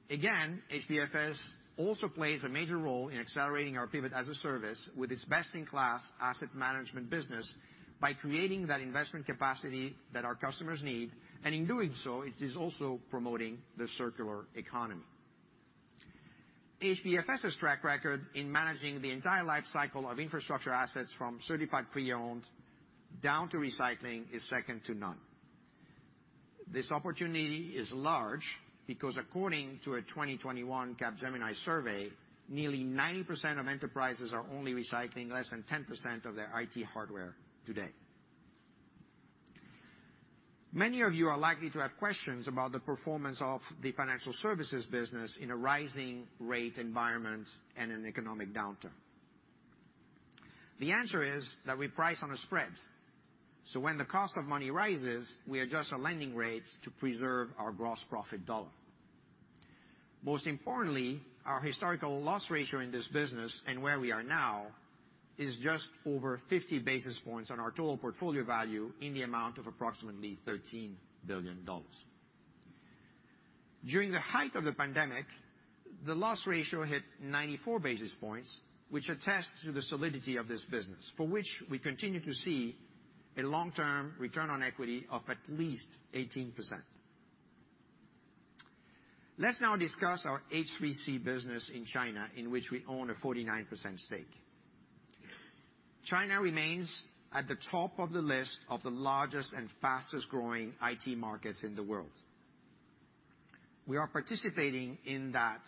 Again, HBFS also plays a major role in accelerating our pivot as a service with its best-in-class asset management business by creating that investment capacity that our customers need, and in doing so, it is also promoting the Circular Economy. HBFS's track record in managing the entire life cycle of infrastructure assets from certified pre-owned down to recycling is second to none. This opportunity is large because according to a 2021 Capgemini survey, nearly 90% of enterprises are only recycling less than 10% of their IT hardware today. Many of you are likely to have questions about the performance of the financial services business in a rising rate environment and an economic downturn. The answer is that we price on a spread. When the cost of money rises, we adjust our lending rates to preserve our gross profit dollar. Most importantly, our historical loss ratio in this business and where we are now is just over 50 basis points on our total portfolio value in the amount of approximately $13 billion. During the height of the pandemic, the loss ratio hit 94 basis points, which attests to the solidity of this business, for which we continue to see a long-term Return on Equity of at least 18%. Let's now discuss our H3C business in China, in which we own a 49% stake. China remains at the top of the list of the largest and fastest-growing IT markets in the world. We are participating in that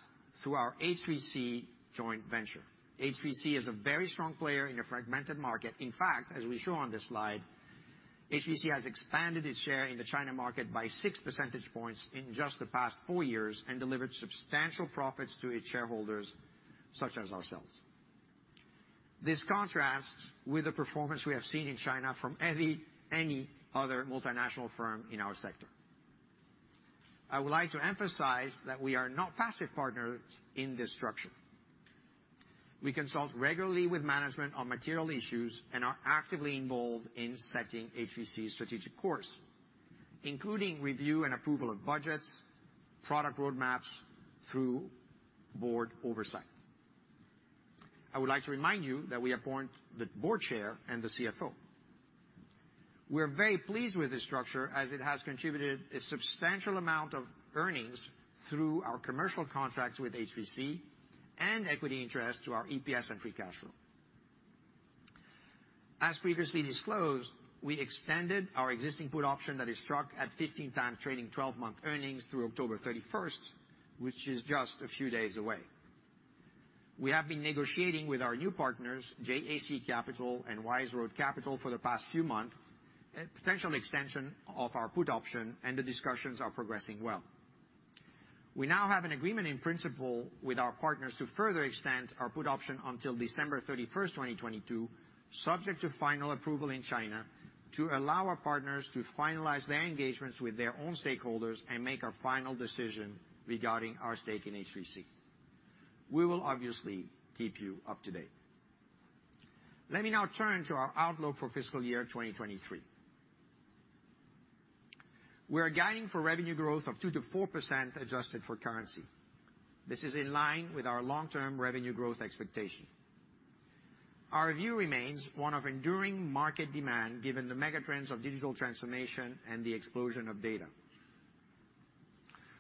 through our H3C joint venture. H3C is a very strong player in a fragmented market. In fact, as we show on this slide, H3C has expanded its share in the China market by six percentage points in just the past four years and delivered substantial profits to its shareholders, such as ourselves. This contrasts with the performance we have seen in China from any other multinational firm in our sector. I would like to emphasize that we are not passive partners in this structure. We consult regularly with management on material issues and are actively involved in setting H3C's strategic course, including review and approval of budgets, product roadmaps through board oversight. I would like to remind you that we appoint the board chair and the CFO. We're very pleased with this structure, as it has contributed a substantial amount of earnings through our commercial contracts with H3C and equity interest to our EPS and free cash flow. As previously disclosed, we extended our existing put option that is struck at 15-time trailing 12-month earnings through October 31st, which is just a few days away. We have been negotiating with our new partners, JAC Capital and Wise Road Capital, for the past few months a potential extension of our put option, and the discussions are progressing well. We now have an agreement in principle with our partners to further extend our put option until December 31st, 2022, subject to final approval in China to allow our partners to finalize their engagements with their own stakeholders and make a final decision regarding our stake in H3C. We will obviously keep you up to date. Let me now turn to our outlook for fiscal year 2023. We are guiding for revenue growth of 2%-4% adjusted for currency. This is in line with our long-term revenue growth expectation. Our view remains one of enduring market demand given the mega trends of digital transformation and the explosion of data.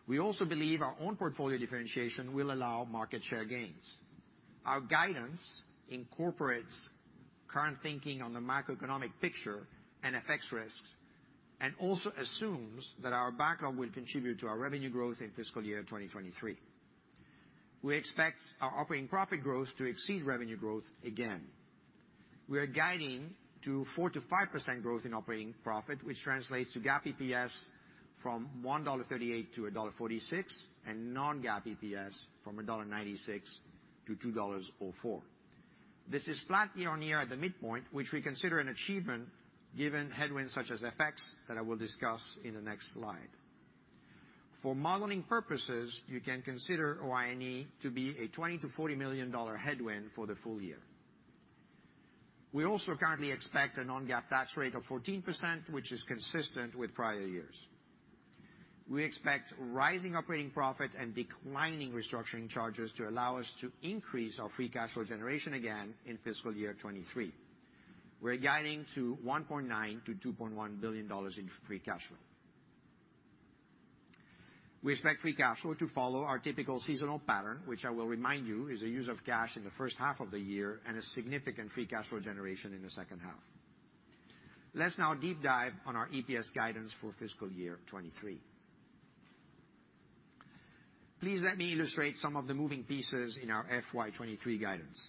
We also believe our own portfolio differentiation will allow market share gains. Our guidance incorporates current thinking on the macroeconomic picture and FX risks, and also assumes that our backlog will contribute to our revenue growth in fiscal year 2023. We expect our operating profit growth to exceed revenue growth again. We are guiding to 4%-5% growth in operating profit, which translates to GAAP EPS from $1.38 to 1.46, and non-GAAP EPS from $1.96 to 2.04. This is flat year-on-year at the midpoint, which we consider an achievement given headwinds such as FX that I will discuss in the next slide. For modeling purposes, you can consider OI&E to be a $20 million-40 million headwind for the full year. We also currently expect a non-GAAP tax rate of 14%, which is consistent with prior years. We expect rising operating profit and declining restructuring charges to allow us to increase our free cash flow generation again in fiscal year 2023. We're guiding to $1.9 billion-2.1 billion in free cash flow. We expect free cash flow to follow our typical seasonal pattern, which I will remind you is a use of cash in the first half of the year and a significant free cash flow generation in the second half. Let's now deep dive on our EPS guidance for fiscal year 2023. Please let me illustrate some of the moving pieces in our FY 2023 guidance.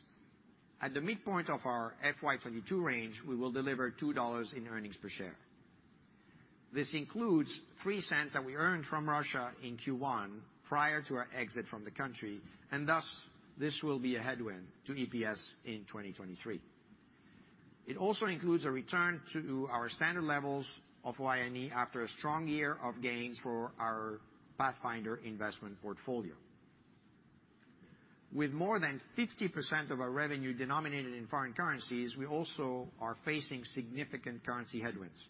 At the midpoint of our FY 2022 range, we will deliver $2 in earnings per share. This includes $0.03 that we earned from Russia in Q1 prior to our exit from the country, and thus, this will be a headwind to EPS in 2023. It also includes a return to our standard levels of OI&E after a strong year of gains for our Pathfinder investment portfolio. With more than 50% of our revenue denominated in foreign currencies, we also are facing significant currency headwinds.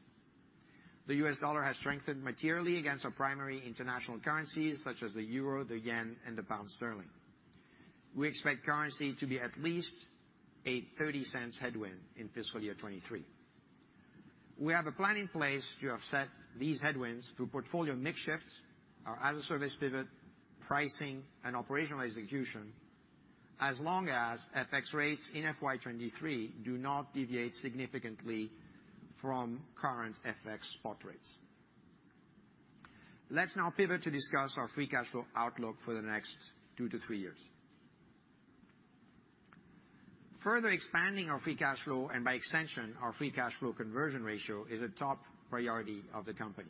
The U.S. dollar has strengthened materially against our primary international currencies such as the euro, the yen, and the pound sterling. We expect currency to be at least a $0.30 headwind in fiscal year 2023. We have a plan in place to offset these headwinds through portfolio mix shifts, our as-a-Service pivot, pricing and operational execution as long as FX rates in FY 2023 do not deviate significantly from current FX spot rates. Let's now pivot to discuss our free cash flow outlook for the next two to three years. Further expanding our free cash flow, and by extension, our free cash flow conversion ratio, is a top priority of the company.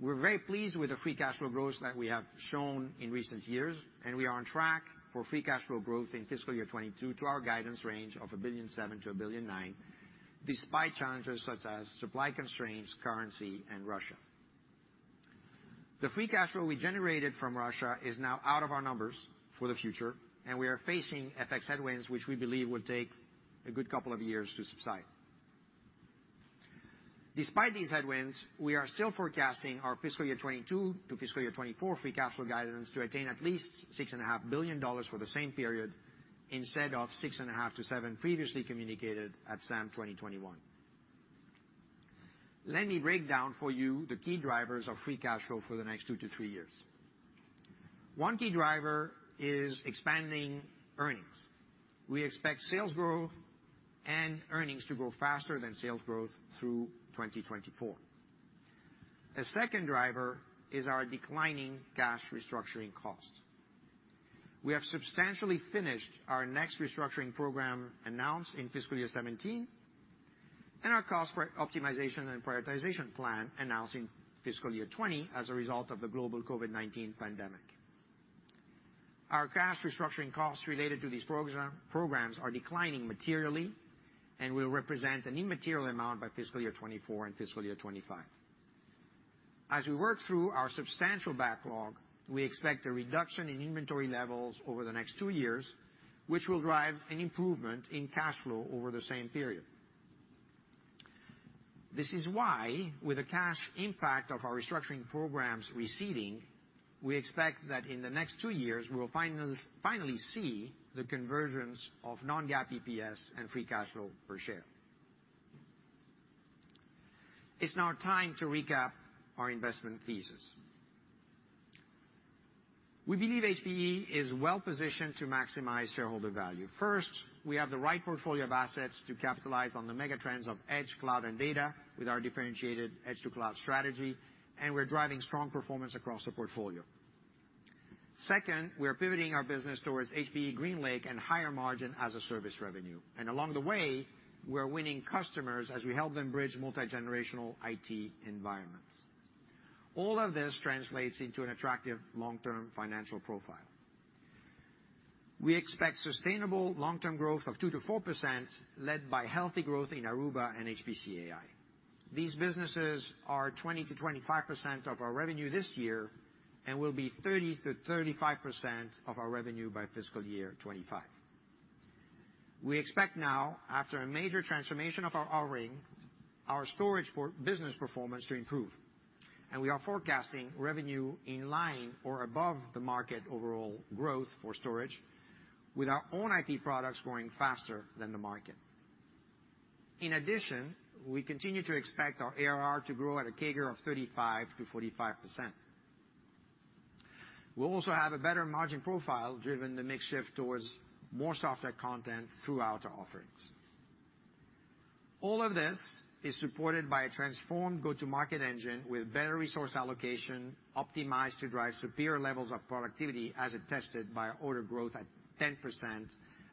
We're very pleased with the free cash flow growth that we have shown in recent years, and we are on track for free cash flow growth in fiscal year 2022 to our guidance range of $1.7 billion-1.9 billion, despite challenges such as supply constraints, currency, and Russia. The free cash flow we generated from Russia is now out of our numbers for the future, and we are facing FX Headwinds, which we believe will take a good couple of years to subside. Despite these headwinds, we are still forecasting our fiscal year 2022 to fiscal year 2024 free cash flow guidance to attain at least $6.5 billion for the same period instead of $6.5-7 billion previously communicated at SAM 2021. Let me break down for you the key drivers of free cash flow for the next two to three years. One key driver is expanding earnings. We expect sales growth and earnings to grow faster than sales growth through 2024. A second driver is our declining cash restructuring costs. We have substantially finished our next restructuring program announced in fiscal year 2017, and our Cost Optimization & Prioritization Plan announced in fiscal year 2020 as a result of the global COVID-19 pandemic. Our cash restructuring costs related to these programs are declining materially and will represent an immaterial amount by fiscal year 2024 and fiscal year 2025. As we work through our substantial backlog, we expect a reduction in inventory levels over the next two years, which will drive an improvement in cash flow over the same period. This is why, with the cash impact of our restructuring programs receding, we expect that in the next two years, we will finally see the conversions of non-GAAP EPS and free cash flow per share. It's now time to recap our investment thesis. We believe HPE is well-positioned to maximize shareholder value. First, we have the right portfolio of assets to capitalize on the mega trends of edge, cloud, and data with our differentiated edge to cloud strategy, and we're driving strong performance across the portfolio. Second, we are pivoting our business towards HPE GreenLake and higher margin as a service revenue. Along the way, we're winning customers as we help them bridge multigenerational IT environments. All of this translates into an attractive long-term financial profile. We expect sustainable long-term growth of 2%-4% led by healthy growth in Aruba and HPC/AI. These businesses are 20%-25% of our revenue this year and will be 30%-35% of our revenue by fiscal year 2025. We expect now, after a major transformation of our offering, our storage for business performance to improve, and we are forecasting revenue in line or above the market overall growth for storage with our own IP products growing faster than the market. In addition, we continue to expect our ARR to grow at a CAGR of 35%-45%. We'll also have a better margin profile driven by the mix shift towards more software content throughout our offerings. All of this is supported by a transformed go-to-market engine with better resource allocation, optimized to drive superior levels of productivity as attested by order growth at 10%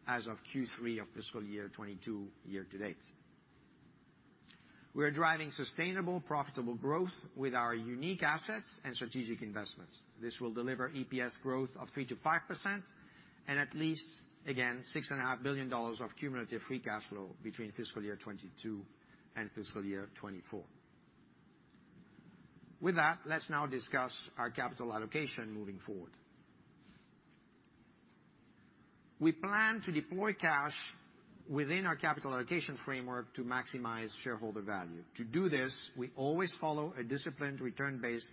as of Q3 of fiscal year 2022 year to date. We are driving sustainable, profitable growth with our unique assets and strategic investments. This will deliver EPS growth of 3%-5% and at least, again, $6.5 billion of cumulative free cash flow between fiscal year 2022 and fiscal year 2024. With that, let's now discuss our capital allocation moving forward. We plan to deploy cash within our capital allocation framework to maximize shareholder value. To do this, we always follow a disciplined return-based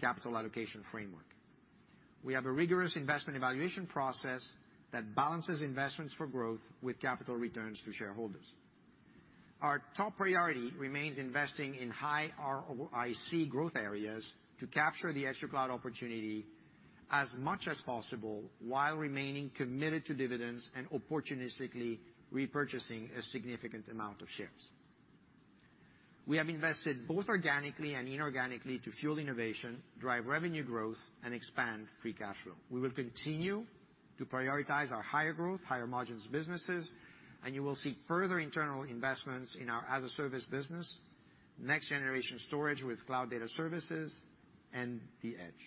capital allocation framework. We have a rigorous investment evaluation process that balances investments for growth with capital returns to shareholders. Our top priority remains investing in high ROIC growth areas to capture the edge to cloud opportunity as much as possible while remaining committed to dividends and opportunistically repurchasing a significant amount of shares. We have invested both organically and inorganically to fuel innovation, drive revenue growth, and expand free cash flow. We will continue to prioritize our higher growth, higher margins businesses, and you will see further internal investments in our as a service business, next generation storage with cloud data services, and the edge.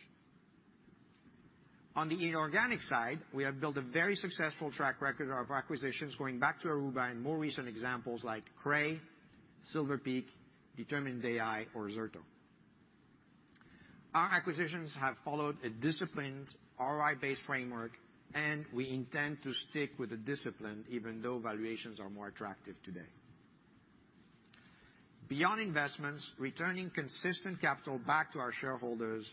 On the inorganic side, we have built a very successful track record of acquisitions going back to Aruba and more recent examples like Cray, Silver Peak, Determined AI or Zerto. Our acquisitions have followed a disciplined ROI-based framework, and we intend to stick with the discipline even though valuations are more attractive today. Beyond investments, returning consistent capital back to our shareholders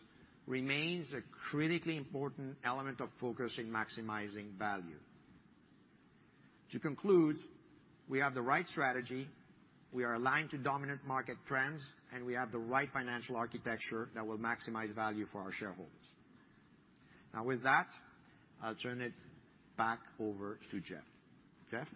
remains a critically important element of focus in maximizing value. To conclude, we have the right strategy, we are aligned to dominant market trends, and we have the right financial architecture that will maximize value for our shareholders. Now with that, I'll turn it back over to Jeff. Jeff?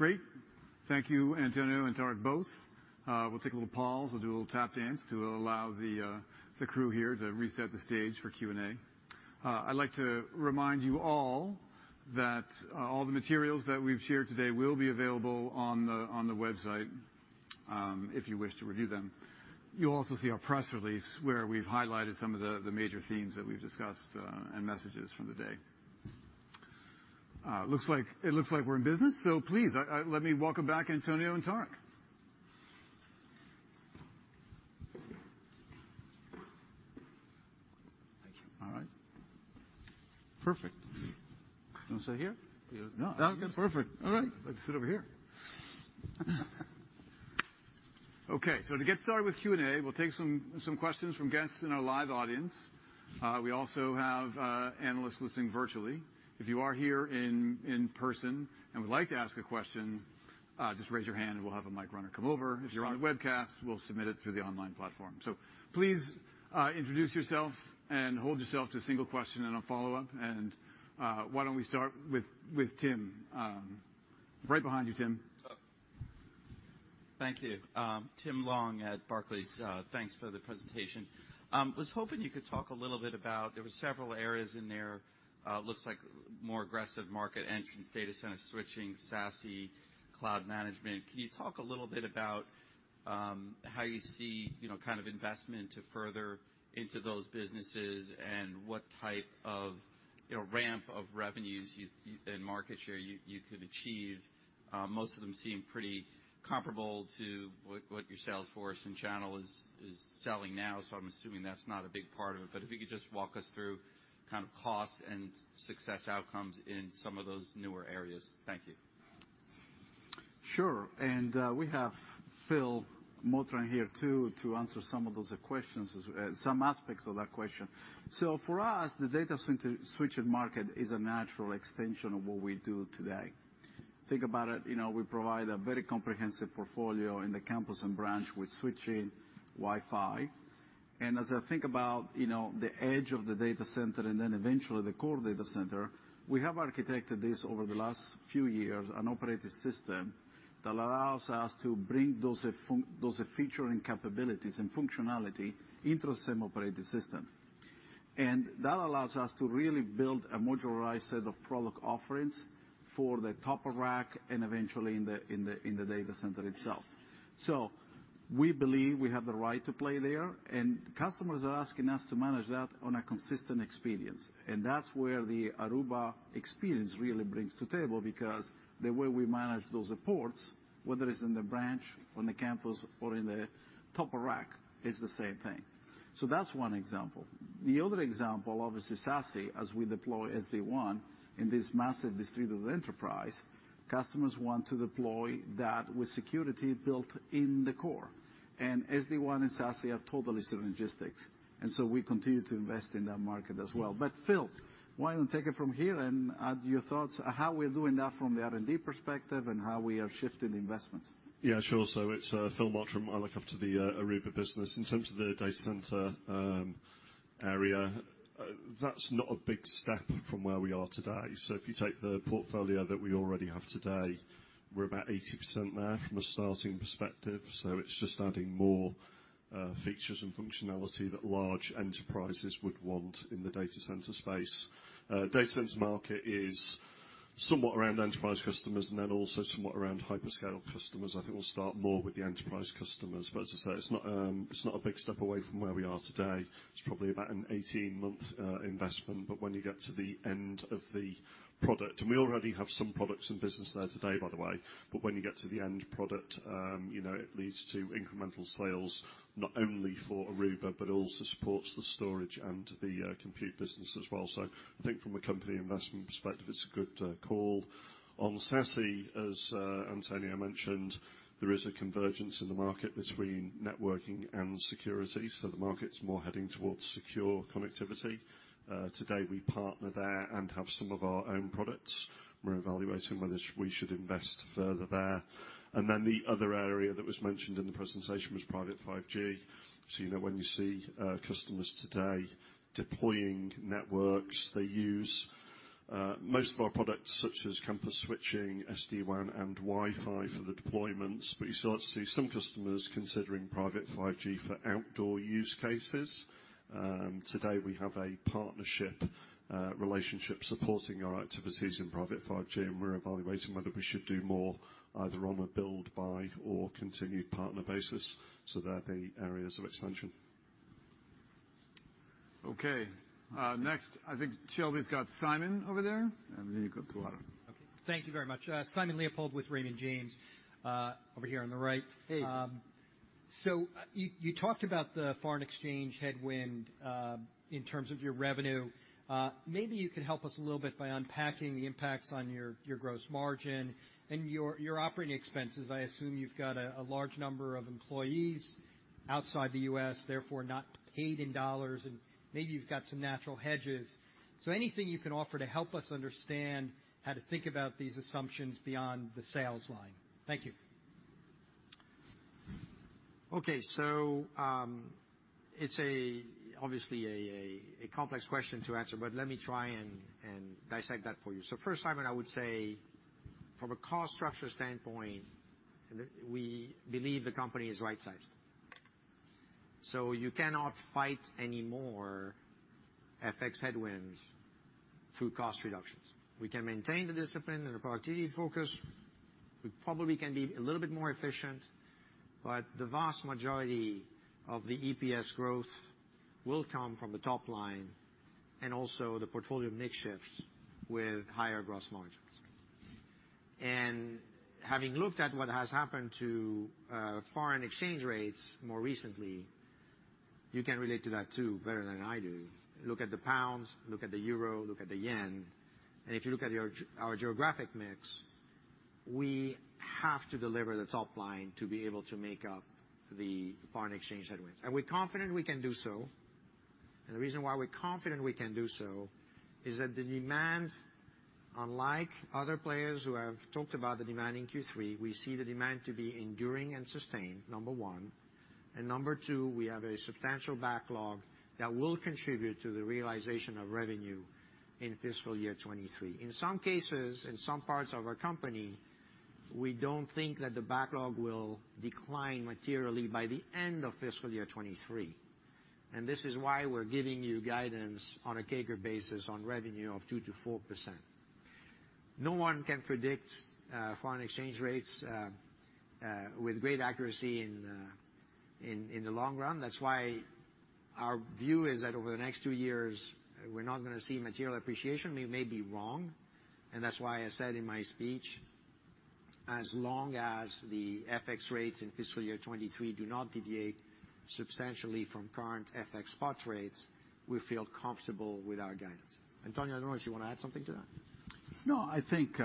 Nicely done, Tarek. Good luck. Great. Thank you, Antonio and Tarek, both. We'll take a little pause. We'll do a little tap dance to allow the crew here to reset the stage for Q&A. I'd like to remind you all that all the materials that we've shared today will be available on the website, if you wish to review them. You'll also see our press release, where we've highlighted some of the major themes that we've discussed, and messages from the day. Looks like we're in business, so please, let me welcome back Antonio and Tarek. Thank you. All right. Perfect. You wanna sit here? No. Perfect. All right. I'd like to sit over here. Okay, so to get started with Q&A, we'll take some questions from guests in our live audience. We also have analysts listening virtually. If you are here in person and would like to ask a question, just raise your hand and we'll have a mic runner come over. If you're on the webcast, we'll submit it to the online platform. Please, introduce yourself and hold yourself to a single question and a follow-up. Why don't we start with Tim. Right behind you, Tim. Thank you. Tim Long at Barclays. Thanks for the presentation. Was hoping you could talk a little bit about, there were several areas in there, looks like more aggressive market entrance data center switching, SASE, Cloud Management. Can you talk a little bit about, how you see, you know, kind of investment to further into those businesses and what type of, you know, ramp of revenues and market share you could achieve? Most of them seem pretty comparable to what your sales force and channel is selling now, so I'm assuming that's not a big part of it. But if you could just walk us through kind of cost and success outcomes in some of those newer areas. Thank you. Sure. We have Phil Mottram here too to answer some of those questions, some aspects of that question. For us, the data center switching market is a natural extension of what we do today. Think about it, you know, we provide a very comprehensive portfolio in the campus and branch with switching, Wi-Fi. As I think about, you know, the edge of the data center and then eventually the core data center, we have architected this over the last few years, an operating system that allows us to bring those those featuring capabilities and functionality into the same operating system. That allows us to really build a modularized set of product offerings for the top of rack and eventually in the data center itself. We believe we have the right to play there, and customers are asking us to manage that on a consistent experience. That's where the Aruba experience really brings to table because the way we manage those ports, whether it's in the branch, on the campus or in the top of rack, it's the same thing. That's one example. The other example, obviously, SASE, as we deploy SD-WAN in this massive distributed enterprise, customers want to deploy that with security built in the core. SD-WAN and SASE are totally synergistic, and so we continue to invest in that market as well. Phil, why don't take it from here and add your thoughts how we're doing that from the R&D perspective and how we are shifting investments? Yeah, sure. It's Phil Mottram. I look after the Aruba business. In terms of the data center area, that's not a big step from where we are today. If you take the portfolio that we already have today, we're about 80% there from a starting perspective. It's just adding more features and functionality that large enterprises would want in the data center space. Data center market is somewhat around enterprise customers and then also somewhat around hyperscale customers. I think we'll start more with the enterprise customers. As I say, it's not a big step away from where we are today. It's probably about an 18-month investment. When you get to the end of the product, and we already have some products and business there today, by the way, but when you get to the end product, you know, it leads to incremental sales, not only for Aruba, but it also supports the storage and the compute business as well. So I think from a company investment perspective, it's a good call. On SASE, as Antonio mentioned, there is a convergence in the market between networking and security, so the market's more heading towards secure connectivity. Today, we partner there and have some of our own products. We're evaluating whether we should invest further there. Then the other area that was mentioned in the presentation was Private 5G. You know, when you see customers today deploying networks, they use most of our products such as campus switching, SD-WAN, and Wi-Fi for the deployments. You start to see some customers considering Private 5G for outdoor use cases. Today we have a partnership relationship supporting our activities in Private 5G, and we're evaluating whether we should do more either on a build, buy or continued partner basis. They're the areas of expansion. Okay. Next, I think Shelby's got Simon over there. And then you've got Aaron. Okay. Thank you very much. Simon Leopold with Raymond James, over here on the right. Hey. You talked about the foreign exchange headwind in terms of your revenue. Maybe you could help us a little bit by unpacking the impacts on your gross margin and your operating expenses. I assume you've got a large number of employees outside the U.S., therefore not paid in dollars, and maybe you've got some natural hedges. Anything you can offer to help us understand how to think about these assumptions beyond the sales line. Thank you. Okay, it's obviously a complex question to answer, but let me try and dissect that for you. First, Simon, I would say from a cost structure standpoint, we believe the company is right-sized. You cannot fight any more FX Headwinds through cost reductions. We can maintain the discipline and the productivity focus. We probably can be a little bit more efficient, but the vast majority of the EPS growth will come from the top line and also the portfolio mix shifts with higher gross margins. Having looked at what has happened to foreign exchange rates more recently, you can relate to that too, better than I do. Look at the pounds, look at the euro, look at the yen, and if you look at our geographic mix, we have to deliver the top line to be able to make up the foreign exchange headwinds. We're confident we can do so, and the reason why we're confident we can do so is that the demand, unlike other players who have talked about the demand in Q3, we see the demand to be enduring and sustained, number one. Number two, we have a substantial backlog that will contribute to the realization of revenue in fiscal year 2023. In some cases, in some parts of our company, we don't think that the backlog will decline materially by the end of fiscal year 2023, and this is why we're giving you guidance on a CAGR basis on revenue of 2%-4%. No one can predict foreign exchange rates with great accuracy in the long run. That's why our view is that over the next two years, we're not gonna see material appreciation. We may be wrong, and that's why I said in my speech, as long as the FX rates in fiscal year 2023 do not deviate substantially from current FX spot rates, we feel comfortable with our guidance. Antonio Neri, do you wanna add something to that? No, I think,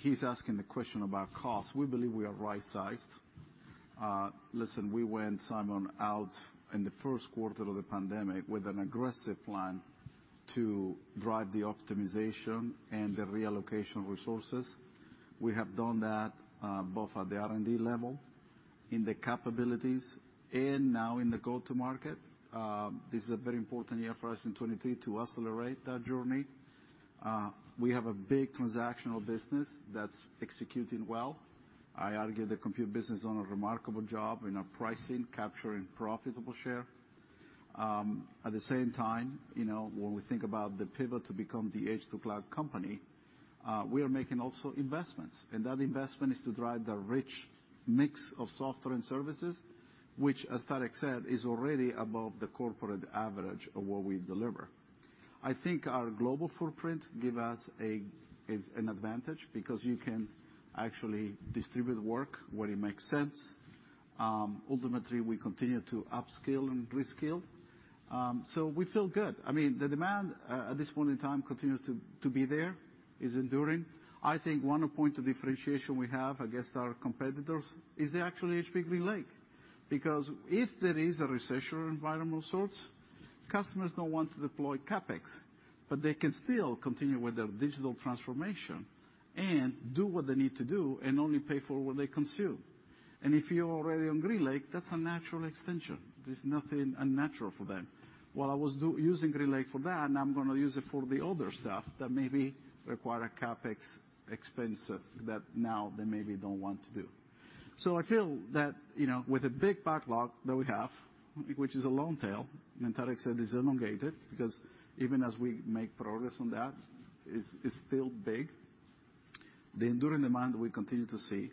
he's asking the question about cost. We believe we are right-sized. Listen, we went, Simon, out in the first quarter of the pandemic with an aggressive plan to drive the optimization and the reallocation of resources. We have done that, both at the R&D level, in the capabilities, and now in the go-to-market. This is a very important year for us in 2023 to accelerate that journey. We have a big transactional business that's executing well. I argue the compute business has done a remarkable job in our pricing, capturing profitable share. At the same time, you know, when we think about the pivot to become the edge-to-cloud company, we are also making investments. That investment is to drive the rich mix of software and services, which, as Tarek said, is already above the corporate average of what we deliver. I think our global footprint is an advantage because you can actually distribute work where it makes sense. Ultimately, we continue to upskill and reskill. We feel good. I mean, the demand at this point in time continues to be there, is enduring. I think one point of differentiation we have against our competitors is actually HPE GreenLake, because if there is a recession environment of sorts, customers don't want to deploy CapEx, but they can still continue with their digital transformation and do what they need to do and only pay for what they consume. If you're already on GreenLake, that's a natural extension. There's nothing unnatural for them. While I was using GreenLake for that, now I'm gonna use it for the other stuff that maybe require CapEx expenses that now they maybe don't want to do. I feel that, you know, with the big backlog that we have, which is a long tail, and Tarek said it's elongated, because even as we make progress on that, it's still big. The enduring demand we continue to see,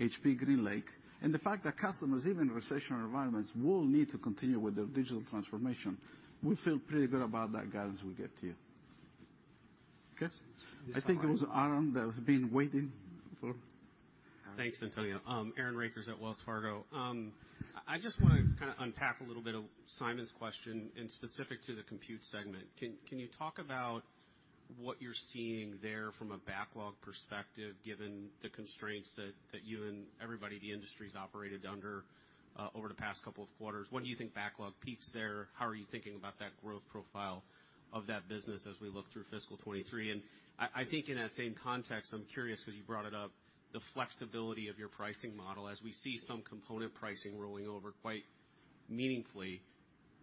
HPE GreenLake, and the fact that customers, even in recessionary environments, will need to continue with their digital transformation. We feel pretty good about that guidance we gave to you. Okay. Yes, Simon. I think it was Aaron that has been waiting for. Thanks, Antonio. Aaron Rakers at Wells Fargo. I just wanna kinda unpack a little bit of Simon's question in specific to the compute segment. Can you talk about what you're seeing there from a backlog perspective, given the constraints that you and everybody in the industry's operated under over the past couple of quarters? When do you think backlog peaks there? How are you thinking about that growth profile of that business as we look through fiscal 2023? I think in that same context, I'm curious, 'cause you brought it up, the flexibility of your pricing model. As we see some component pricing rolling over quite meaningfully,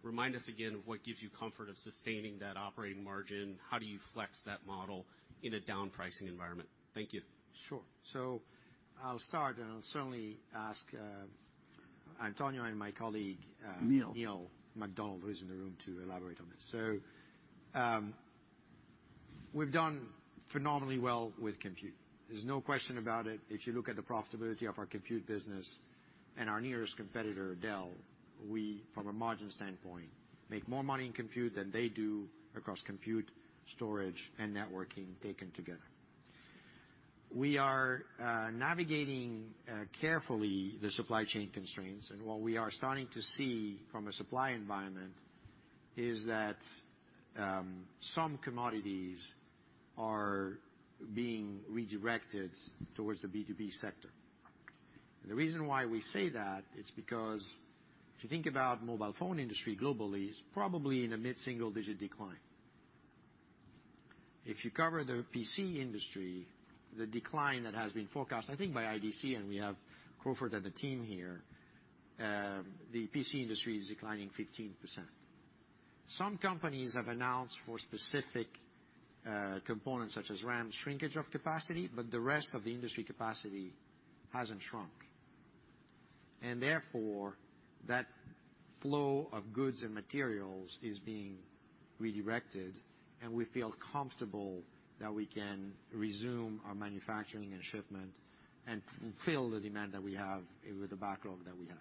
remind us again of what gives you comfort of sustaining that operating margin. How do you flex that model in a down pricing environment? Thank you. Sure. I'll start, and I'll certainly ask Antonio and my colleague. Neil. Neil MacDonald, who is in the room, to elaborate on this. We've done phenomenally well with compute. There's no question about it. If you look at the profitability of our compute business and our nearest competitor, Dell, we, from a margin standpoint, make more money in compute than they do across compute, storage, and networking taken together. We are navigating carefully the supply chain constraints, and what we are starting to see from a supply environment is that some commodities are being redirected towards the B2B sector. The reason why we say that, it's because if you think about mobile phone industry globally, it's probably in a mid-single digit decline. If you cover the PC industry, the decline that has been forecast, I think by IDC, and we have Crawford and the team here, the PC industry is declining 15%. Some companies have announced for specific components such as RAM, shrinkage of capacity, but the rest of the industry capacity hasn't shrunk. Therefore, that flow of goods and materials is being redirected, and we feel comfortable that we can resume our manufacturing and shipment, and fulfill the demand that we have with the backlog that we have.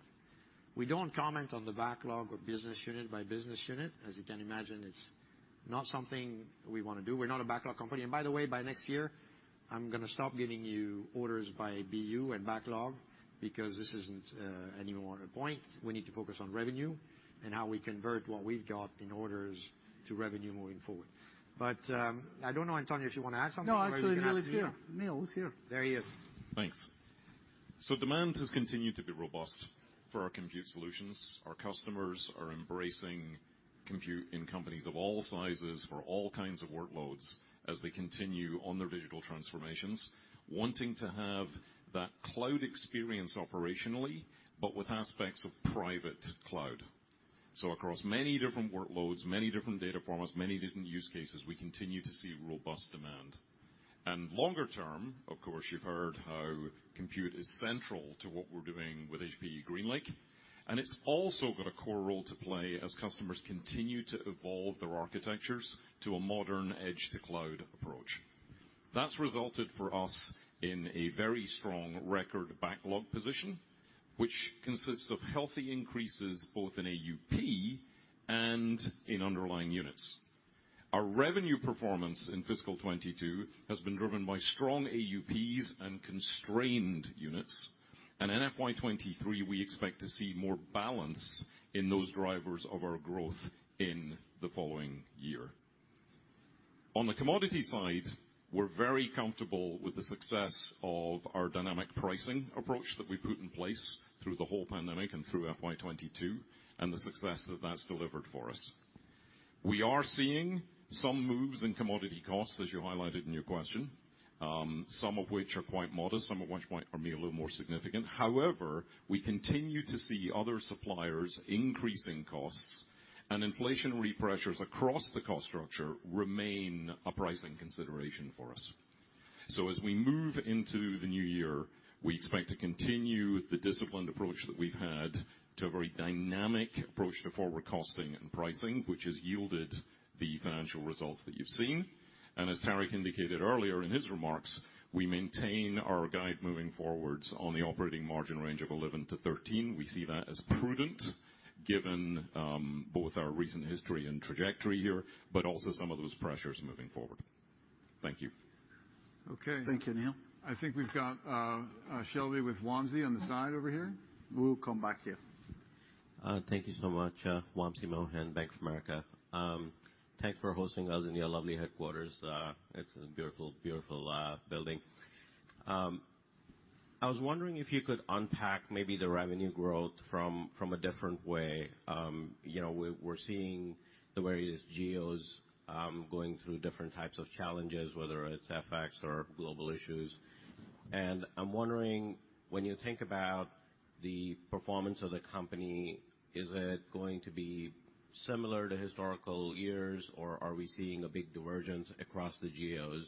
We don't comment on the backlog or business unit by business unit. As you can imagine, it's not something we wanna do. We're not a backlog company. By the way, by next year, I'm gonna stop giving you orders by BU and backlog because this isn't any more a point. We need to focus on revenue and how we convert what we've got in orders to revenue moving forward. I don't know, Antonio, if you wanna add something. No, actually, Neil is here. Neil is here. There he is. Thanks. Demand has continued to be robust for our compute solutions. Our customers are embracing compute in companies of all sizes for all kinds of workloads as they continue on their digital transformations, wanting to have that cloud experience operationally, but with aspects of private cloud. Across many different workloads, many different data formats, many different use cases, we continue to see robust demand. Longer term, of course, you've heard how compute is central to what we're doing with HPE GreenLake, and it's also got a core role to play as customers continue to evolve their architectures to a modern edge to cloud approach. That's resulted for us in a very strong record backlog position, which consists of healthy increases both in AUP and in underlying units. Our revenue performance in fiscal 2022 has been driven by strong AUPs and constrained units. In FY 2023, we expect to see more balance in those drivers of our growth in the following year. On the commodity side, we're very comfortable with the success of our dynamic pricing approach that we put in place through the whole pandemic and through FY 2022, and the success that that's delivered for us. We are seeing some moves in commodity costs, as you highlighted in your question, some of which are quite modest, some of which are maybe a little more significant. However, we continue to see other suppliers increasing costs, and inflationary pressures across the cost structure remain a pricing consideration for us. As we move into the new year, we expect to continue the disciplined approach that we've had to a very dynamic approach to forward costing and pricing, which has yielded the financial results that you've seen. As Tarek indicated earlier in his remarks, we maintain our guide moving forwards on the operating margin range of 11%-13%. We see that as prudent given both our recent history and trajectory here, but also some of those pressures moving forward. Thank you. Okay. Thank you, Neil. I think we've got Shelby with Wamsi on the side over here. We'll come back to you. Thank you so much, Wamsi Mohan, Bank of America. Thanks for hosting us in your lovely headquarters. It's a beautiful building. I was wondering if you could unpack maybe the revenue growth from a different way. You know, we're seeing the various geos going through different types of challenges, whether it's FX or global issues. I'm wondering, when you think about the performance of the company, is it going to be similar to historical years, or are we seeing a big divergence across the geos?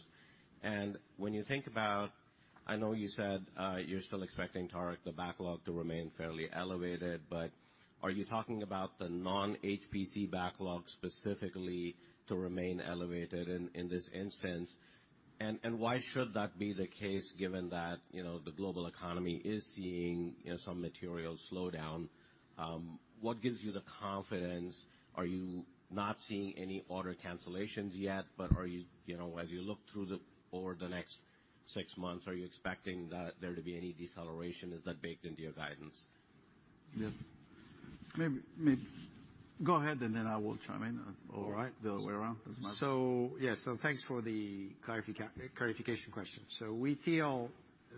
When you think about, I know you said you're still expecting, Tarek, the backlog to remain fairly elevated, but are you talking about the non-HPC backlog specifically to remain elevated in this instance? Why should that be the case given that, you know, the global economy is seeing, you know, some material slowdown? What gives you the confidence? Are you not seeing any order cancellations yet, but are you know, as you look through over the next six months, are you expecting that there to be any deceleration? Is that baked into your guidance? Yeah. Go ahead, and then I will chime in. All right. Or the other way around. Yes. Thanks for the clarification question. We feel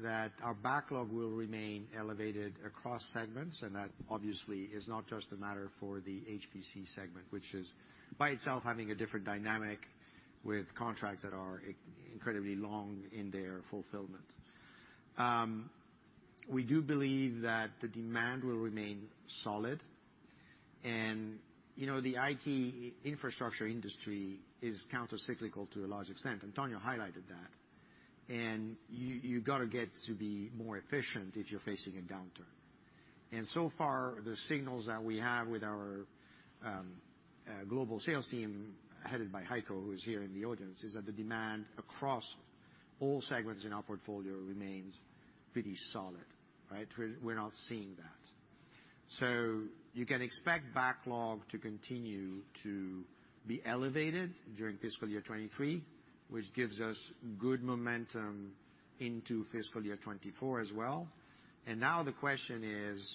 that our backlog will remain elevated across segments, and that obviously is not just a matter for the HPC segment, which is by itself having a different dynamic with contracts that are incredibly long in their fulfillment. We do believe that the demand will remain solid. You know, the IT infrastructure industry is counter-cyclical to a large extent. Antonio highlighted that. You gotta get to be more efficient if you're facing a downturn. So far, the signals that we have with our global sales team, headed by Heiko, who is here in the audience, is that the demand across all segments in our portfolio remains pretty solid, right? We're not seeing that. You can expect backlog to continue to be elevated during fiscal year 2023, which gives us good momentum into fiscal year 2024 as well. Now the question is,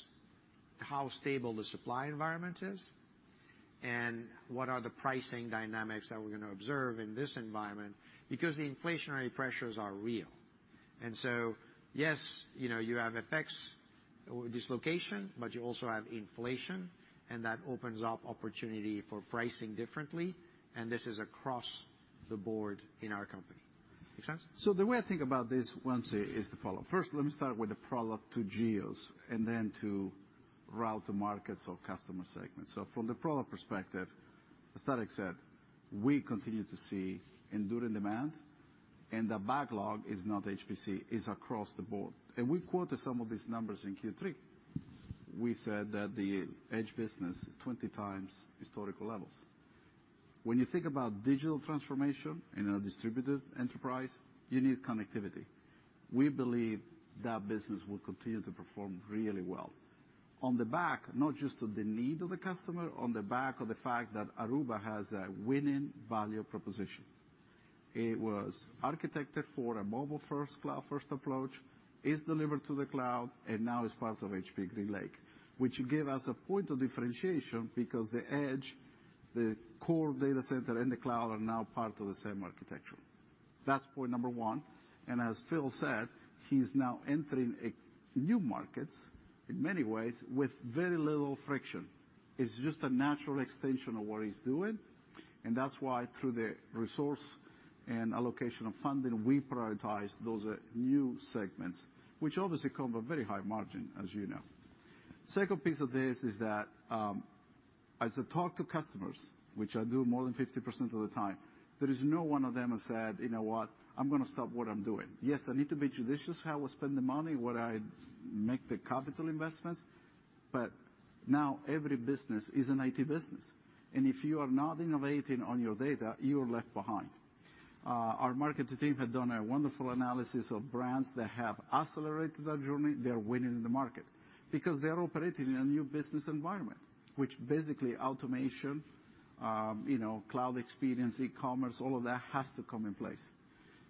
how stable the supply environment is, and what are the pricing dynamics that we're gonna observe in this environment? Because the inflationary pressures are real. Yes, you know, you have effects with dislocation, but you also have inflation, and that opens up opportunity for pricing differently, and this is across the board in our company. Make sense? The way I think about this, Wamsi, is the following. First, let me start with the product to geos and then to route to markets or customer segments. From the product perspective, as Tarek said, we continue to see enduring demand, and the backlog is not HPC, it's across the board. We quoted some of these numbers in Q3. We said that the Edge business is 20 times historical levels. When you think about digital transformation in a distributed enterprise, you need connectivity. We believe that business will continue to perform really well. On the back, not just on the need of the customer, on the back of the fact that Aruba has a winning value proposition. It was architected for a mobile-first, cloud-first approach, is delivered to the cloud, and now is part of HPE GreenLake, which give us a point of differentiation because the Edge, the core data center, and the cloud are now part of the same architecture. That's point number one. As Phil said, he's now entering new markets in many ways with very little friction. It's just a natural extension of what he's doing, and that's why through the reallocation of funding, we prioritize those new segments, which obviously come with very high margin, as you know. Second piece of this is that, as I talk to customers, which I do more than 50% of the time, there is no one of them has said, "You know what? I'm gonna stop what I'm doing." Yes, I need to be judicious how I spend the money, where I make the capital investments, but now every business is an IT business, and if you are not innovating on your data, you're left behind. Our marketing team have done a wonderful analysis of brands that have accelerated their journey. They're winning in the market because they're operating in a new business environment, which basically automation, you know, cloud experience, e-commerce, all of that has to come in place.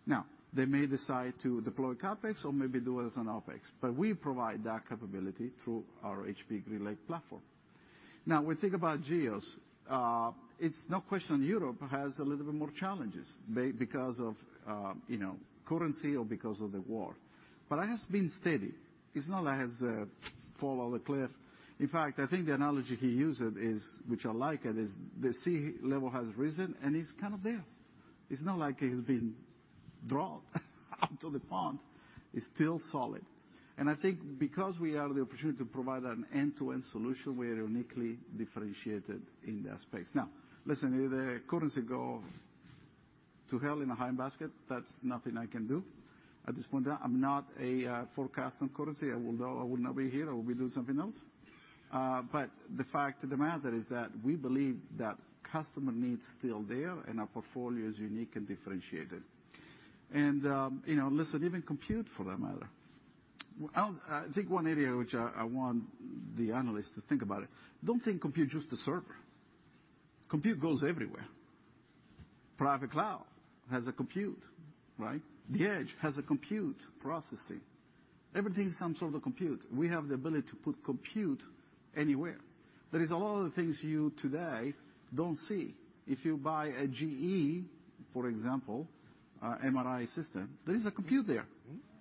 Now, they may decide to deploy CapEx or maybe do it as an OpEx, but we provide that capability through our HPE GreenLake platform. Now, when we think about geos, it's no question Europe has a little bit more challenges because of, you know, currency or because of the war, but it has been steady. It's not like it has fall off the cliff. In fact, I think the analogy he used is, which I like, it is the sea level has risen and it's kind of there. It's not like it's been dropped onto the pond. It's still solid. I think because we have the opportunity to provide an end-to-end solution, we are uniquely differentiated in that space. Now, listen, if the currency go to hell in a handbasket, that's nothing I can do. At this point in time, I'm not a forecast on currency. I would not be here. I would be doing something else. But the fact of the matter is that we believe that customer needs still there and our portfolio is unique and differentiated. You know, listen, even compute for that matter. Well, I think one area which I want the analysts to think about. Don't think compute's just a server. Compute goes everywhere. Private cloud has a compute, right? The edge has a compute processing. Everything is some sort of compute. We have the ability to put compute anywhere. There is a lot of things you today don't see. If you buy a GE, for example, MRI system, there is a compute there.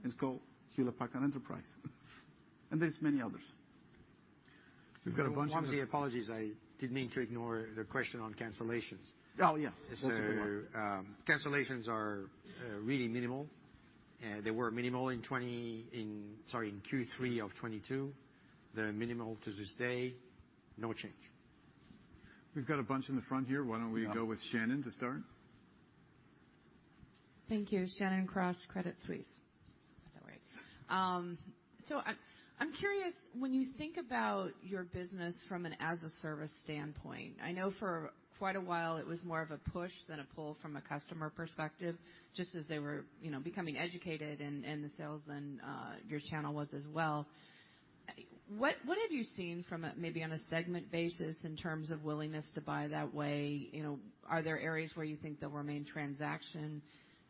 It's called Hewlett Packard Enterprise. There's many others. We've got a bunch- Wamsi, apologies. I didn't mean to ignore the question on cancellations. Yes, that's a good one. Cancellations are really minimal. They were minimal in Q3 of 2022. They're minimal to this day. No change. We've got a bunch in the front here. Why don't we go with Shannon to start? Thank you. Shannon Cross, Credit Suisse. Is that right? So I'm curious, when you think about your business from an as-a-Service standpoint, I know for quite a while it was more of a push than a pull from a customer perspective, just as they were, you know, becoming educated and the sales and your channel was as well. What have you seen from a, maybe on a segment basis in terms of willingness to buy that way? You know, are there areas where you think they'll remain transactional,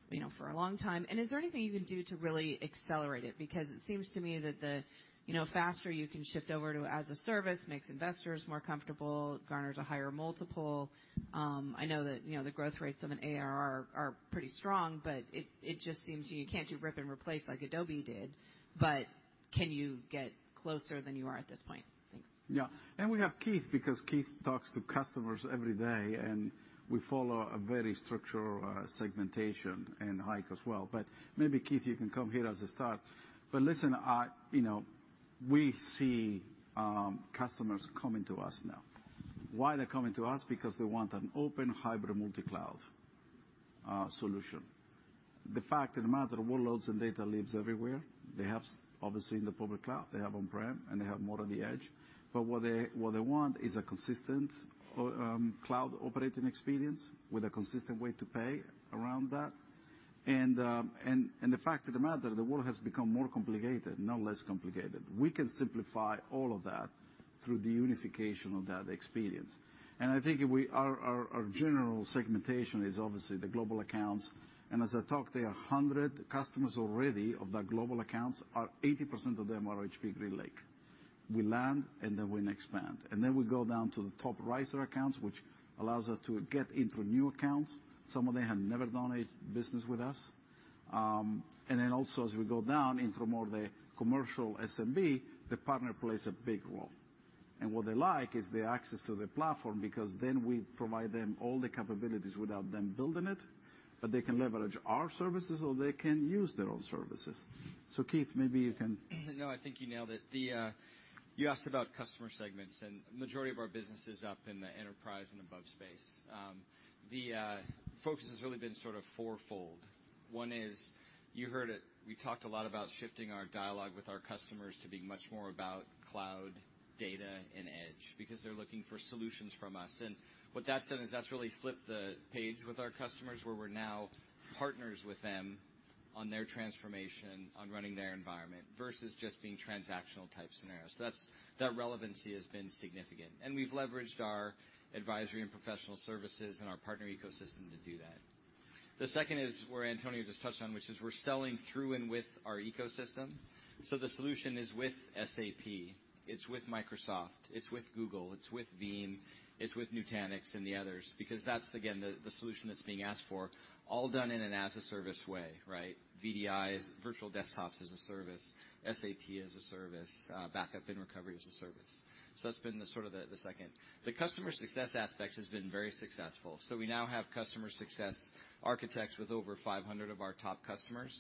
you know, for a long time? Is there anything you can do to really accelerate it? Because it seems to me that the, you know, faster you can shift over to as-a-Service makes investors more comfortable, garners a higher multiple. I know that the growth rates of an ARR are pretty strong, but it just seems like you can't do rip and replace like Adobe did. Can you get closer than you are at this point? Thanks. Yeah. We have Keith, because Keith talks to customers every day, and we follow a very structured segmentation in HPE as well. Maybe, Keith, you can come here as a start. Listen, you know, we see customers coming to us now. Why they're coming to us? Because they want an open Hybrid Multi-Cloud solution. The fact of the matter, workloads and data lives everywhere. They have obviously in the public cloud, they have on-prem, and they have more on the edge. What they want is a consistent cloud operating experience with a consistent way to pay around that. The fact of the matter, the world has become more complicated, not less complicated. We can simplify all of that through the unification of that experience. I think we.. Our general segmentation is obviously the global accounts. As I talk, there are 100 customers already of that global accounts. 80% of them are HPE GreenLake. We land and then we expand. We go down to the top-tier accounts, which allows us to get into new accounts. Some of them have never done business with us. As we go down into more of the commercial SMB, the partner plays a big role. What they like is the access to the platform, because then we provide them all the capabilities without them building it, but they can leverage our services, or they can use their own services. Keith, maybe you can? No, I think you nailed it. You asked about customer segments, and majority of our business is up in the enterprise and above space. The focus has really been sort of fourfold. One is you heard it. We talked a lot about shifting our dialogue with our customers to be much more about cloud, data and edge, because they're looking for solutions from us. What that's done is that's really flipped the page with our customers, where we're now partners with them on their transformation, on running their environment versus just being transactional type scenarios. That's that relevancy has been significant. We've leveraged our advisory and professional services and our Partner Ecosystem to do that. The second is where Antonio just touched on, which is we're selling through and with our ecosystem. The solution is with SAP, it's with Microsoft, it's with Google, it's with Veeam, it's with Nutanix and the others, because that's again the solution that's being asked for, all done in an as-a-Service way, right? VDIs, virtual desktops as a service, SAP as a service, backup and recovery as a service. That's been the sort of the second. The customer success aspect has been very successful, so we now have customer success architects with over 500 of our top customers.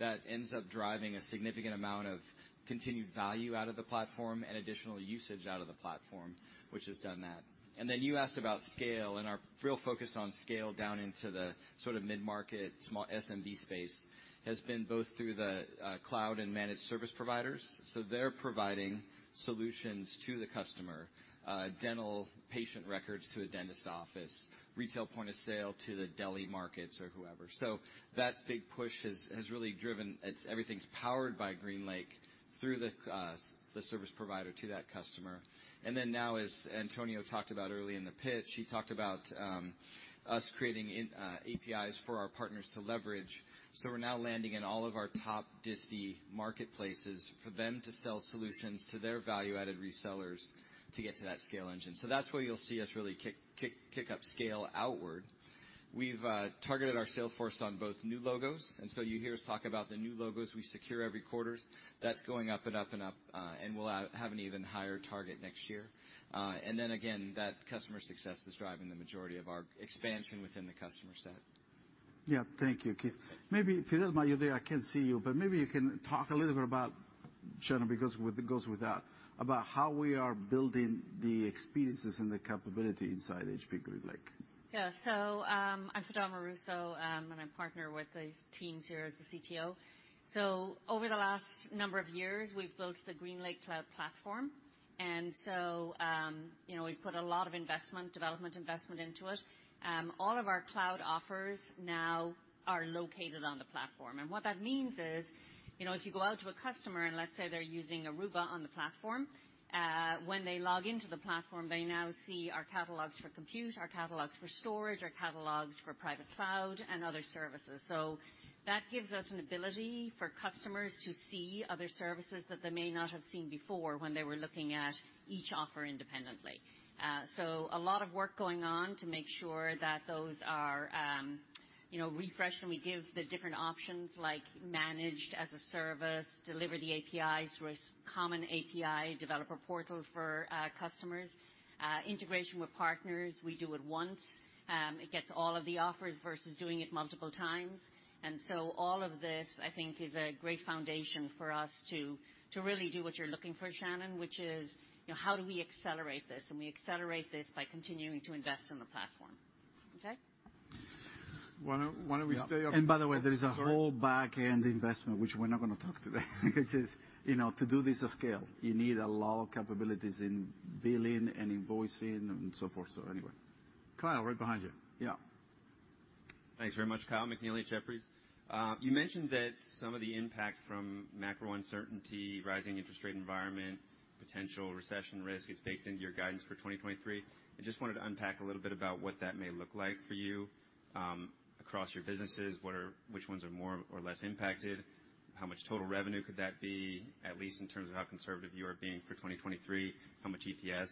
That ends up driving a significant amount of continued value out of the platform and additional usage out of the platform, which has done that. Then you asked about scale, and our real focus on scale down into the sort of mid-market small SMB space has been both through the cloud and managed service providers. They're providing solutions to the customer, dental patient records to a dentist office, retail point of sale to the deli markets or whoever. That big push has really driven, it's everything's powered by GreenLake through the service provider to that customer. Then now as Antonio talked about early in the pitch, he talked about us creating APIs for our partners to leverage. We're now landing in all of our top distie marketplaces for them to sell solutions to their value-added resellers to get to that scale engine. That's where you'll see us really kick up scale outward. We've targeted our sales force on both new logos, and so you hear us talk about the new logos we secure every quarters. That's going up and up and up, and we'll have an even higher target next year. That customer success is driving the majority of our expansion within the customer set. Yeah. Thank you, Keith. Thanks. Maybe Fidelma, you're there. I can't see you, but maybe you can talk a little bit about, Shannon, because it goes with that, about how we are building the experiences and the capability inside HPE GreenLake. Yeah. I'm Fidelma Russo, and I partner with the teams here as the CTO. Over the last number of years, we've built the GreenLake cloud platform. You know, we've put a lot of investment, development investment into it. All of our cloud offers now are located on the platform. What that means is, you know, if you go out to a customer and let's say they're using Aruba on the platform, when they log into the platform, they now see our catalogs for compute, our catalogs for storage, our catalogs for private cloud and other services. That gives us an ability for customers to see other services that they may not have seen before when they were looking at each offer independently. A lot of work going on to make sure that those are, you know, refreshed, and we give the different options like managed as a service, deliver the APIs through a common API developer portal for customers, integration with partners. We do it once, it gets all of the offers versus doing it multiple times. All of this, I think, is a great foundation for us to really do what you're looking for, Shannon, which is, you know, how do we accelerate this? We accelerate this by continuing to invest in the platform. Okay. Why don't we stay up. By the way, there is a whole back-end investment which we're not gonna talk today, which is, you know, to do this at scale, you need a lot of capabilities in billing and invoicing and so forth. Anyway. Kyle, right behind you. Yeah. Thanks very much. Kyle McNealy at Jefferies. You mentioned that some of the impact from macro uncertainty, rising interest rate environment, potential recession risk is baked into your guidance for 2023. I just wanted to unpack a little bit about what that may look like for you, across your businesses. Which ones are more or less impacted? How much total revenue could that be, at least in terms of how conservative you are being for 2023? How much EPS?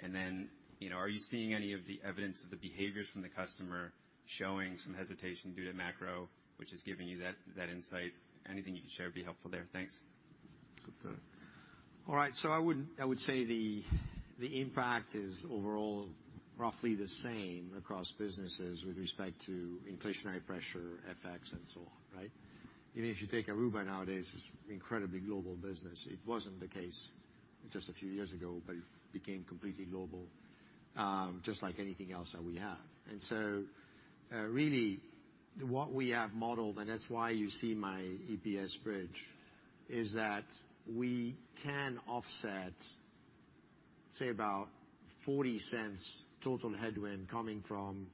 And then, you know, are you seeing any of the evidence of the behaviors from the customer showing some hesitation due to macro, which is giving you that insight? Anything you can share would be helpful there. Thanks. Good to know. All right. I would say the impact is overall roughly the same across businesses with respect to inflationary pressure, FX and so on, right? Even if you take Aruba nowadays, it's incredibly global business. It wasn't the case just a few years ago, but it became completely global, just like anything else that we have. Really what we have modeled, and that's why you see my EPS bridge, is that we can offset, say about $0.40 total headwind coming from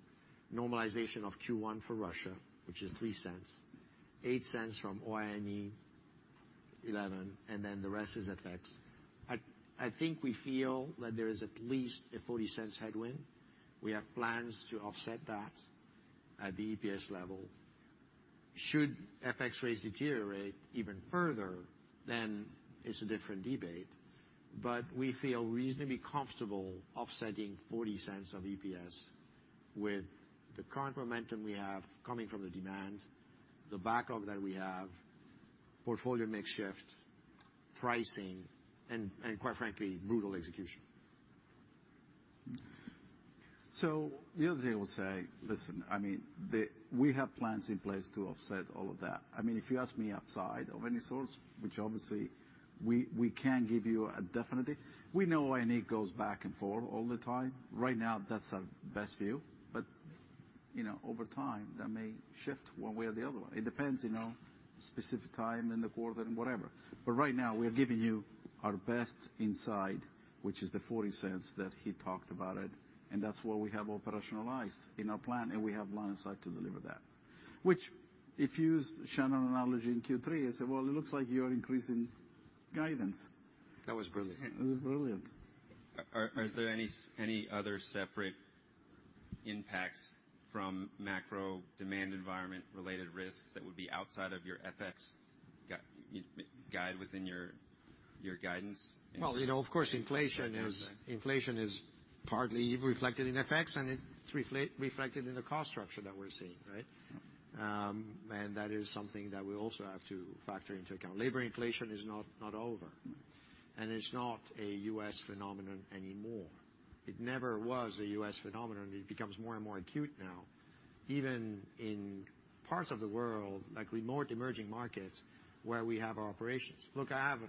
normalization of Q1 for Russia, which is $0.03, 0.08 from OI&E, $0.11, and then the rest is FX. I think we feel that there is at least a $0.40 headwind. We have plans to offset that at the EPS level. Should FX rates deteriorate even further, then it's a different debate. We feel reasonably comfortable offsetting $0.40 of EPS with the current momentum we have coming from the demand, the backup that we have, portfolio mix shift, pricing, and quite frankly, brutal execution. The other thing I would say, listen, I mean, we have plans in place to offset all of that. I mean, if you ask me upside of any sorts, which obviously we can give you a definite. We know when it goes back and forth all the time. Right now, that's our best view. You know, over time, that may shift one way or the other way. It depends, you know, specific time in the quarter and whatever. Right now, we are giving you our best insight, which is the $0.40 that he talked about, and that's what we have operationalized in our plan, and we have line of sight to deliver that. Which if you use Shannon analogy in Q3, I said, "Well, it looks like you're increasing guidance. That was brilliant. It was brilliant. Are there any other separate impacts from macro demand environment-related risks that would be outside of your FX guidance within your guidance impact? Well, you know, of course, inflation is partly reflected in FX, and it's reflected in the cost structure that we're seeing, right? That is something that we also have to factor into account. Labor inflation is not over, and it's not a U.S. phenomenon anymore. It never was a U.S. phenomenon. It becomes more and more acute now, even in parts of the world, like remote emerging markets, where we have our operations. Look, I have,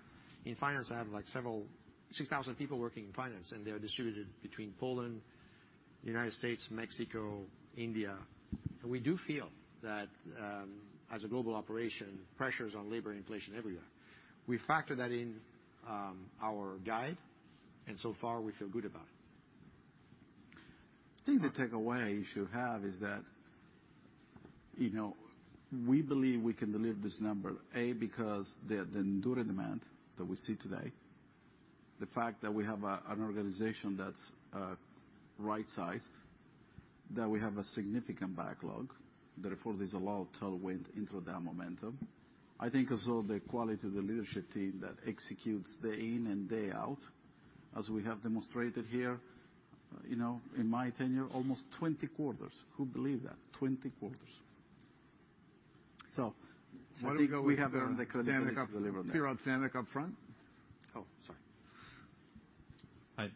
in finance, like, 6,000 people working in finance, and they are distributed between Poland, United States, Mexico, India. We do feel that, as a global operation, pressures on labor inflation everywhere. We factor that in our guide, and so far we feel good about it. I think the takeaway you should have is that, you know, we believe we can deliver this number, A, because the enduring demand that we see today, the fact that we have a, an organization that's right-sized, that we have a significant backlog, therefore there's a lot of tailwind into that momentum. I think as well the quality of the leadership team that executes day in and day out, as we have demonstrated here, you know, in my tenure, almost 20 quarters. Who believed that? 20 quarters. I think we have the confidence to deliver that. Here on Samik up front. Sorry. Hi,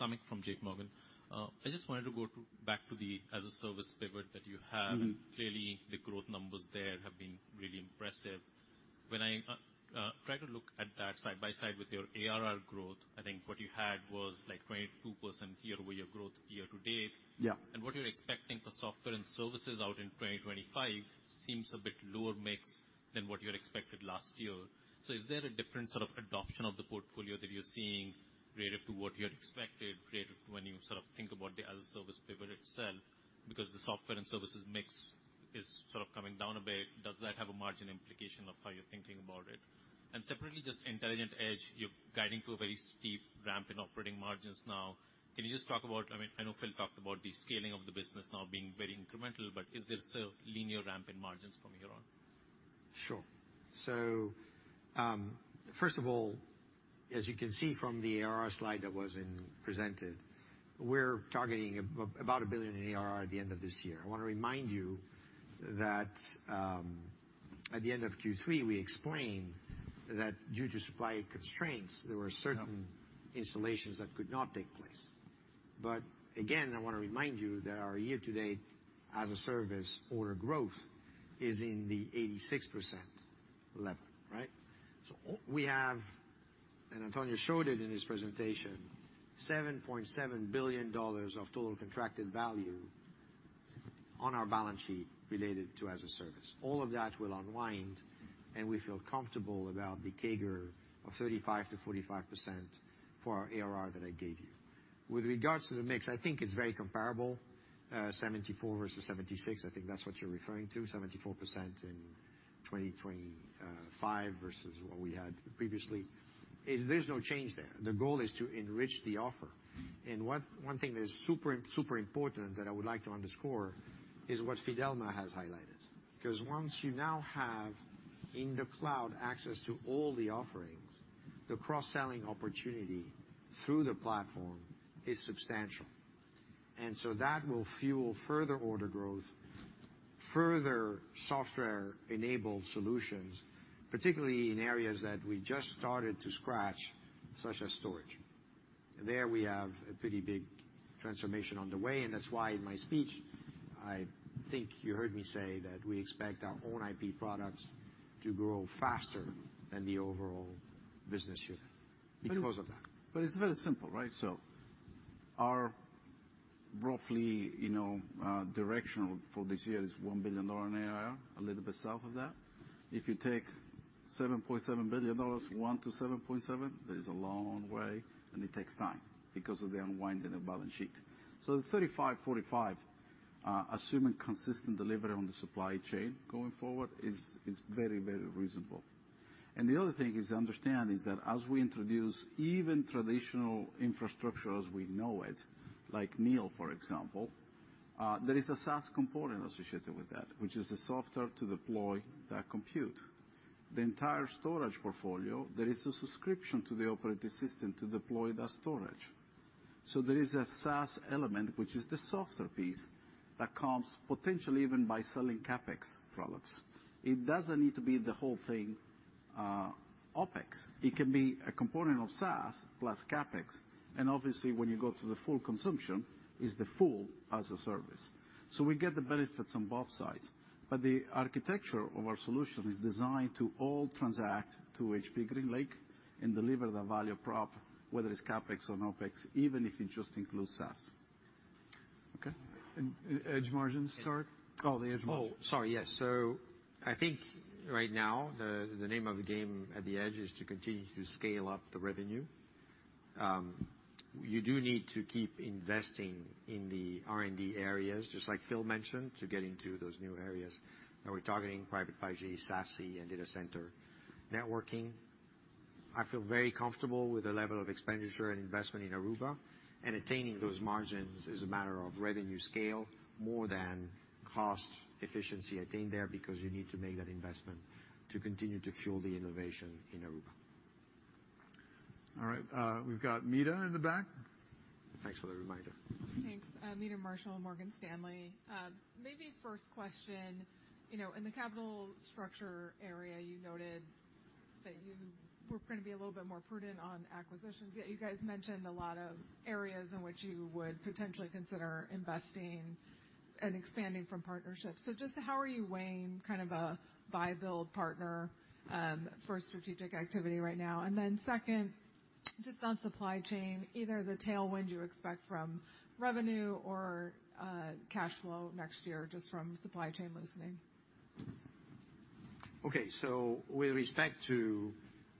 Samik Chatterjee from JPMorgan. I just wanted to go back to the as-a-Service pivot that you have, clearly, the growth numbers there have been really impressive. When I try to look at that side by side with your ARR growth, I think what you had was, like, 22% year-over-year growth year to date. Yeah. What you're expecting for software and services out in 2025 seems a bit lower mix than what you had expected last year. Is there a different sort of adoption of the portfolio that you're seeing relative to what you had expected, relative to when you sort of think about the as-a-Service pivot itself? Because the Software & Services Mix is sort of coming down a bit. Does that have a margin implication of how you're thinking about it? Separately, just Intelligent Edge, you're guiding to a very steep ramp in operating margins now. Can you just talk about. I mean, I know Phil talked about the scaling of the business now being very incremental, but is there still linear ramp in margins from here on? Sure. First of all, as you can see from the ARR slide that was presented, we're targeting about $1 billion in ARR at the end of this year. I wanna remind you that, at the end of Q3, we explained that due to supply constraints, there were certain- Yeah Installations that could not take place. Again, I wanna remind you that our year-to-date as-a-Service order growth is in the 86% level, right? All we have, and Antonio showed it in his presentation, $7.7 billion of total contracted value on our balance sheet related to as-a-Service. All of that will unwind, and we feel comfortable about the CAGR of 35%-45% for our ARR that I gave you. With regards to the mix, I think it's very comparable, 74% versus 76%. I think that's what you're referring to, 74% in 2025 versus what we had previously. It's, there's no change there. The goal is to enrich the offer. One thing that is super important that I would like to underscore is what Fidelma has highlighted. 'Cause once you now have in the cloud access to all the offerings, the cross-selling opportunity through the platform is substantial. That will fuel further order growth, further software-enabled solutions, particularly in areas that we just started to scratch, such as storage. There we have a pretty big transformation on the way, and that's why in my speech, I think you heard me say that we expect our own IP products to grow faster than the overall business unit because of that. It's very simple, right? Our roughly, you know, directional for this year is $1 billion in ARR, a little bit south of that. If you take $7.7 billion, 1 billion to 7.7 billion, there is a long way, and it takes time because of the unwind in the balance sheet. The 35%-45%, assuming consistent delivery on the supply chain going forward, is very reasonable. The other thing is to understand is that as we introduce even traditional infrastructure as we know it, like Neil, for example, there is a SaaS component associated with that, which is the software to deploy that compute. The entire storage portfolio, there is a subscription to the operating system to deploy that storage. There is a SaaS element, which is the software piece that comes potentially even by selling CapEx products. It doesn't need to be the whole thing, OpEx. It can be a component of SaaS plus CapEx, and obviously, when you go to the full consumption, it's the full as a service. We get the benefits on both sides. The architecture of our solution is designed to all transact to HPE GreenLake and deliver the value prop, whether it's CapEx or OpEx, even if it just includes SaaS. Okay. Edge margins, Tarek? Oh, the Edge margins. Oh, sorry, yes. I think right now, the name of the game at the edge is to continue to scale up the revenue. You do need to keep investing in the R&D areas, just like Phil mentioned, to get into those new areas that we're targeting, Private 5G, SASE, and data center networking. I feel very comfortable with the level of expenditure and investment in Aruba, and attaining those margins is a matter of revenue scale more than cost efficiency attained there, because you need to make that investment to continue to fuel the innovation in Aruba. All right, we've got Meta in the back. Thanks for the reminder. Thanks. Meta Marshall, Morgan Stanley. Maybe first question, you know, in the capital structure area, you noted that you were gonna be a little bit more prudent on acquisitions, yet you guys mentioned a lot of areas in which you would potentially consider investing and expanding from partnerships. Just how are you weighing kind of a buy-build partner for strategic activity right now? Then second, just on supply chain, either the tailwind you expect from revenue or cash flow next year just from supply chain loosening? Okay. With respect to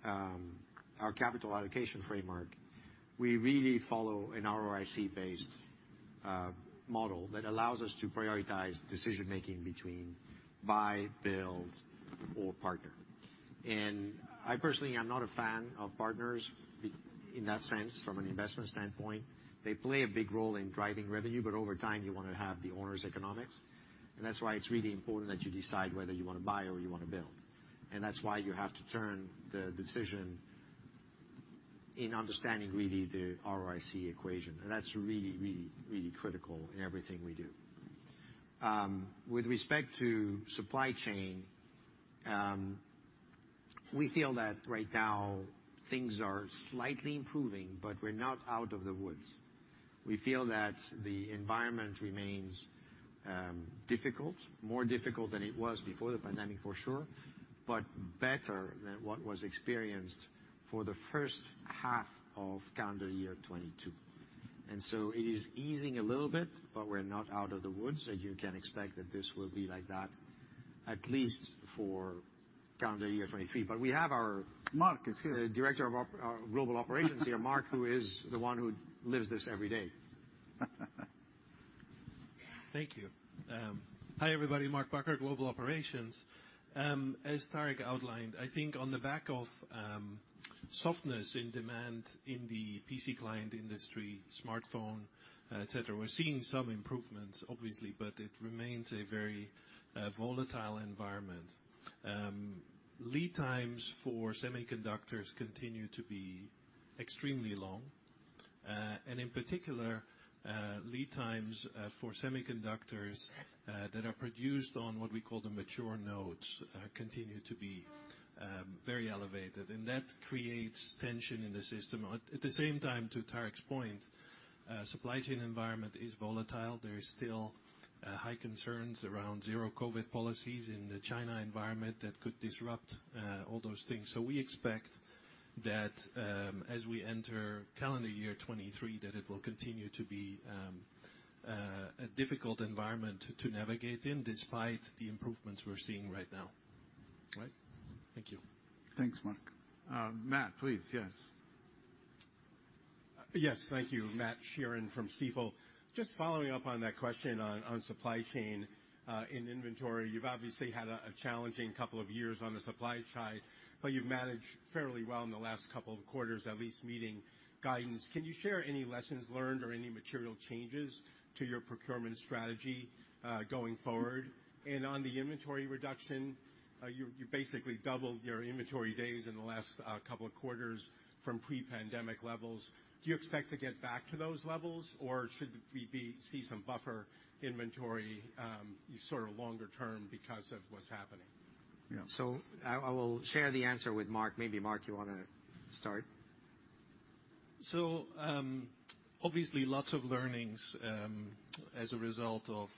our capital allocation framework, we really follow an ROIC-based model that allows us to prioritize decision-making between buy, build, or partner. I personally am not a fan of partners in that sense from an investment standpoint. They play a big role in driving revenue, but over time, you want to have the owner's economics. That's why it's really important that you decide whether you want to buy or you want to build. That's why you have to turn the decision in understanding really the ROIC equation. That's really critical in everything we do. With respect to supply chain, we feel that right now things are slightly improving, but we're not out of the woods. We feel that the environment remains difficult, more difficult than it was before the pandemic for sure, but better than what was experienced for the first half of calendar year 2022. It is easing a little bit, but we're not out of the woods, and you can expect that this will be like that at least for calendar year 2023. We have our- Mark is here. The director of our global operations here, Mark, who is the one who lives this every day. Thank you. Hi, everybody. Mark Bakker, Global Operations. As Tarek outlined, I think on the back of softness in demand in the PC client industry, smartphone, et cetera, we're seeing some improvements obviously, but it remains a very volatile environment. Lead times for semiconductors continue to be extremely long. And in particular, lead times for semiconductors that are produced on what we call the mature nodes continue to be very elevated, and that creates tension in the system. At the same time, to Tarek's point, supply chain environment is volatile. There is still high concerns around zero COVID policies in the China environment that could disrupt all those things. We expect that, as we enter calendar year 2023, that it will continue to be a difficult environment to navigate in despite the improvements we're seeing right now. All right. Thank you. Thanks, Mark. Matt, please. Yes. Yes. Thank you. Matt Sheerin from Stifel. Just following up on that question on supply chain in inventory, you've obviously had a challenging couple of years on the supply side, but you've managed fairly well in the last couple of quarters, at least meeting guidance. Can you share any lessons learned or any material changes to your procurement strategy going forward? On the inventory reduction, you basically doubled your inventory days in the last couple of quarters from pre-pandemic levels. Do you expect to get back to those levels, or should we see some buffer inventory sort of longer term because of what's happening? Yeah. I will share the answer with Mark. Maybe Mark, you want to start? Obviously lots of learnings as a result of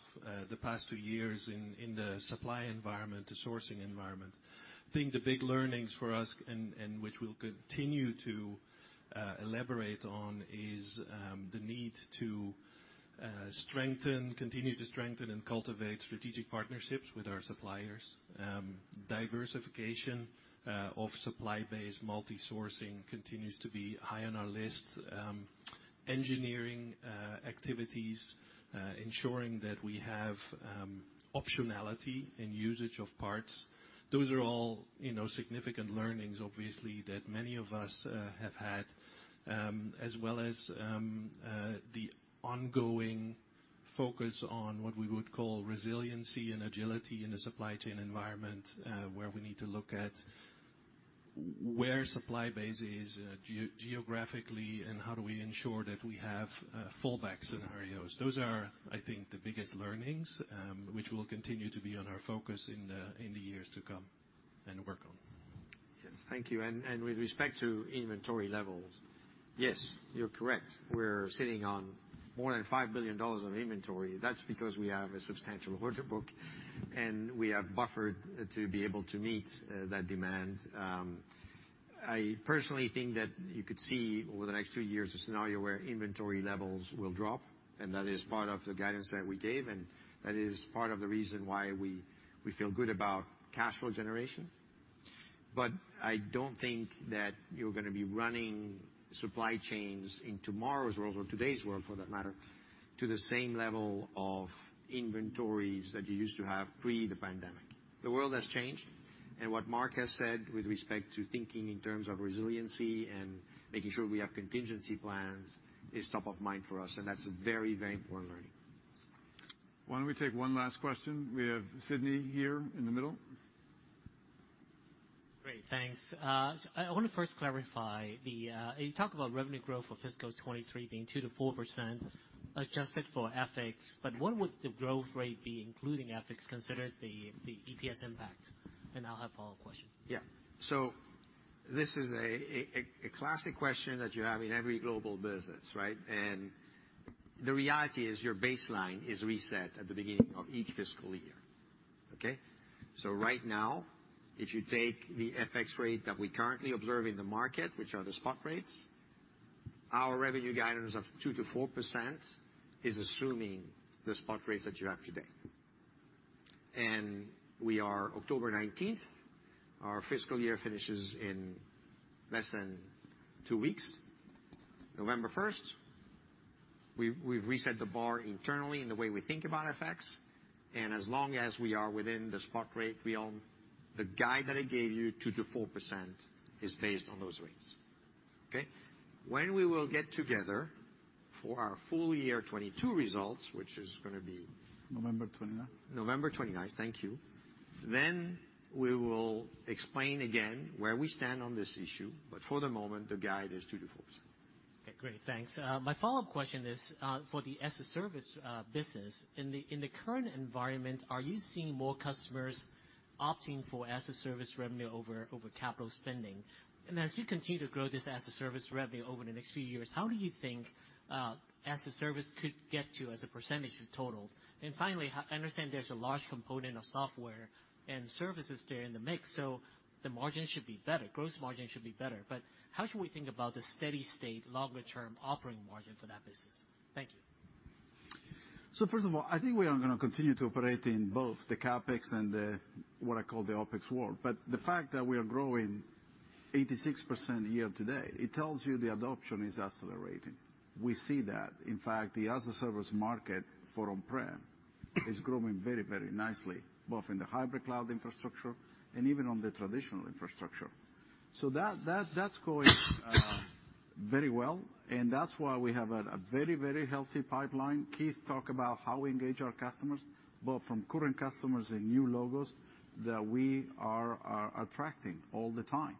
the past two years in the supply environment, the sourcing environment. I think the big learnings for us and which we'll continue to elaborate on is the need to continue to strengthen and cultivate strategic partnerships with our suppliers. Diversification of supply base multi-sourcing continues to be high on our list. Engineering activities ensuring that we have optionality and usage of parts. Those are all, you know, significant learnings obviously that many of us have had as well as the ongoing focus on what we would call resiliency and agility in a supply chain environment where we need to look at where supply base is geographically and how do we ensure that we have fallback scenarios. Those are, I think, the biggest learnings which will continue to be on our focus in the years to come and work on. Yes. Thank you. With respect to inventory levels, yes, you're correct. We're sitting on more than $5 billion of inventory. That's because we have a substantial order book, and we have buffered to be able to meet that demand. I personally think that you could see over the next two years a scenario where inventory levels will drop, and that is part of the guidance that we gave, and that is part of the reason why we feel good about cash flow generation. I don't think that you're gonna be running supply chains in tomorrow's world, or today's world for that matter, to the same level of inventories that you used to have pre the pandemic. The world has changed. What Mark has said with respect to thinking in terms of resiliency and making sure we have contingency plans is top of mind for us, and that's a very, very important learning. Why don't we take one last question? We have Sidney here in the middle. Great. Thanks. I wanna first clarify. You talk about revenue growth for fiscal 2023 being 2%-4% adjusted for FX. But what would the growth rate be including FX, considering the EPS impact? I'll have follow-up question. Yeah. This is a classic question that you have in every global business, right? The reality is your baseline is reset at the beginning of each fiscal year. Okay? Right now, if you take the FX rate that we currently observe in the market, which are the spot rates, our revenue guidance of 2%-4% is assuming the spot rates that you have today. We are October 19th. Our fiscal year finishes in less than two weeks, November 1st. We've reset the bar internally in the way we think about FX. As long as we are within the spot rate, you know, the guide that I gave you, 2%-4%, is based on those rates. Okay? When we will get together for our full year 2022 results, which is gonna be- November 29th. November 29th. Thank you. We will explain again where we stand on this issue. For the moment, the guide is 2%-4%. Okay. Great. Thanks. My follow-up question is for the as a Service business. In the current environment, are you seeing more customers opting for as a Service revenue over capital spending? As you continue to grow this as a Service revenue over the next few years, how do you think as a Service could get to as a percentage of total? Finally, I understand there's a large component of software and services there in the mix, so the margin should be better, gross margin should be better. But how should we think about the steady state longer term operating margin for that business? Thank you. First of all, I think we are gonna continue to operate in both the CapEx and the, what I call the OpEx world. The fact that we are growing 86% year to date, it tells you the adoption is accelerating. We see that. In fact, the as a Service market for on-prem is growing very, very nicely, both in the Hybrid Cloud Infrastructure and even on the traditional infrastructure. That's going very well, and that's why we have a very, very healthy pipeline. Keith talk about how we engage our customers, both from current customers and new logos that we are attracting all the time.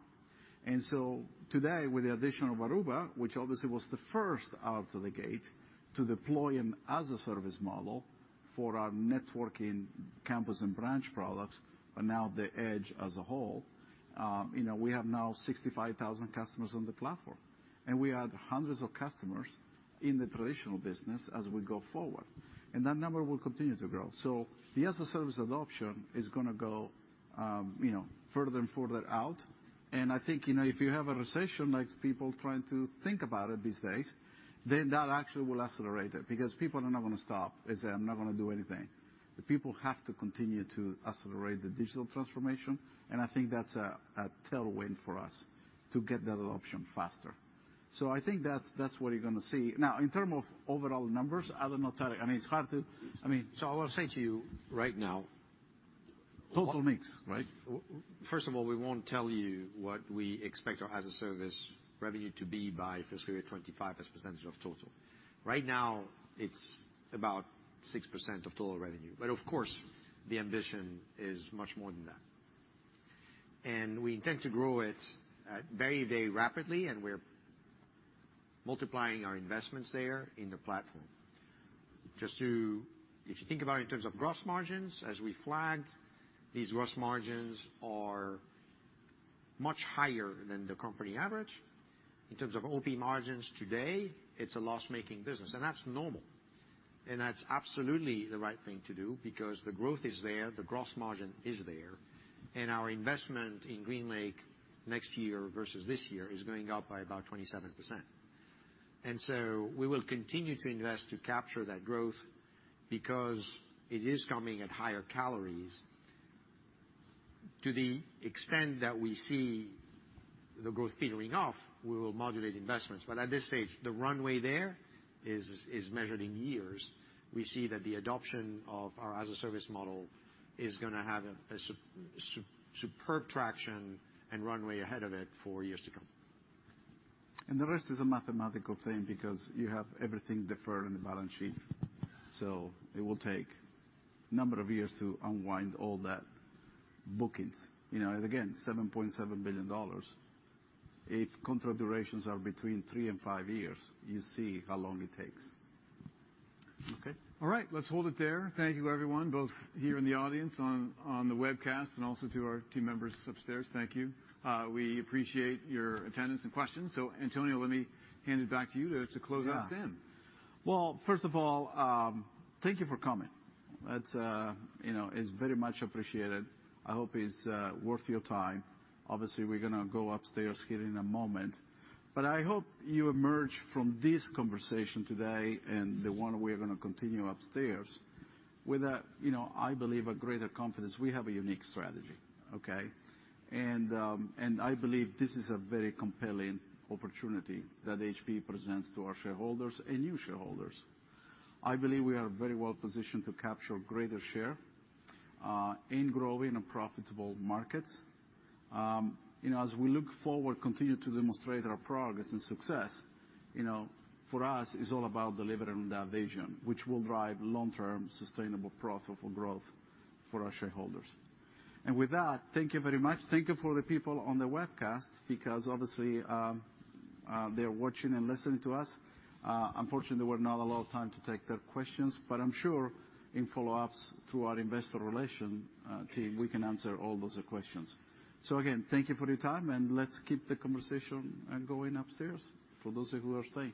Today, with the addition of Aruba, which obviously was the first out of the gate to deploy an as a Service model for our networking campus and branch products, but now the Edge as a whole, we have now 65,000 Customers on the platform. We add hundreds of customers in the traditional business as we go forward. That number will continue to grow. The as a Service adoption is gonna go further and further out. I think, you know, if you have a recession, like people trying to think about it these days, then that actually will accelerate it because people are not gonna stop and say, "I'm not gonna do anything." The people have to continue to accelerate the digital transformation, and I think that's a tailwind for us to get that adoption faster. I think that's what you're gonna see. Now, in terms of overall numbers, I don't know, Tarek. I mean, it's hard to. I will say to you right now. Total mix, right? First of all, we won't tell you what we expect our as a Service revenue to be by fiscal year 2025 as percentage of total. Right now, it's about 6% of total revenue. Of course, the ambition is much more than that. We intend to grow it very, very rapidly, and we're multiplying our investments there in the platform. Just to. If you think about in terms of gross margins, as we flagged, these gross margins are much higher than the company average. In terms of OP margins today, it's a loss-making business, and that's normal. That's absolutely the right thing to do because the growth is there, the gross margin is there, and our investment in GreenLake. Next year versus this year is going up by about 27%. We will continue to invest to capture that growth because it is coming at higher margins. To the extent that we see the growth petering off, we will modulate investments. At this stage, the runway there is measured in years. We see that the adoption of our as-a-Service model is gonna have superb traction and runway ahead of it for years to come. The rest is a mathematical thing because you have everything deferred on the balance sheet. It will take a number of years to unwind all that bookings. You know, again, $7.7 billion. If contract durations are between three and five years, you see how long it takes. Okay. All right. Let's hold it there. Thank you everyone, both here in the audience, on the webcast, and also to our team members upstairs. Thank you. We appreciate your attendance and questions. Antonio, let me hand it back to you to close us in. Yeah. Well, first of all, thank you for coming. That's, you know, is very much appreciated. I hope it's worth your time. Obviously, we're gonna go upstairs here in a moment. I hope you emerge from this conversation today and the one we're gonna continue upstairs with a, you know, I believe a greater confidence. We have a unique strategy, okay? I believe this is a very compelling opportunity that HPE presents to our shareholders and new shareholders. I believe we are very well positioned to capture greater share in growing and profitable markets. You know, as we look forward, continue to demonstrate our progress and success, you know, for us, it's all about delivering that vision, which will drive long-term sustainable profit for growth for our shareholders. With that, thank you very much. Thank you for the people on the webcast, because obviously, they are watching and listening to us. Unfortunately, we're not allowed time to take their questions, but I'm sure in follow-ups through our Investor Relations team, we can answer all those questions. Again, thank you for your time, and let's keep the conversation going upstairs for those who are staying.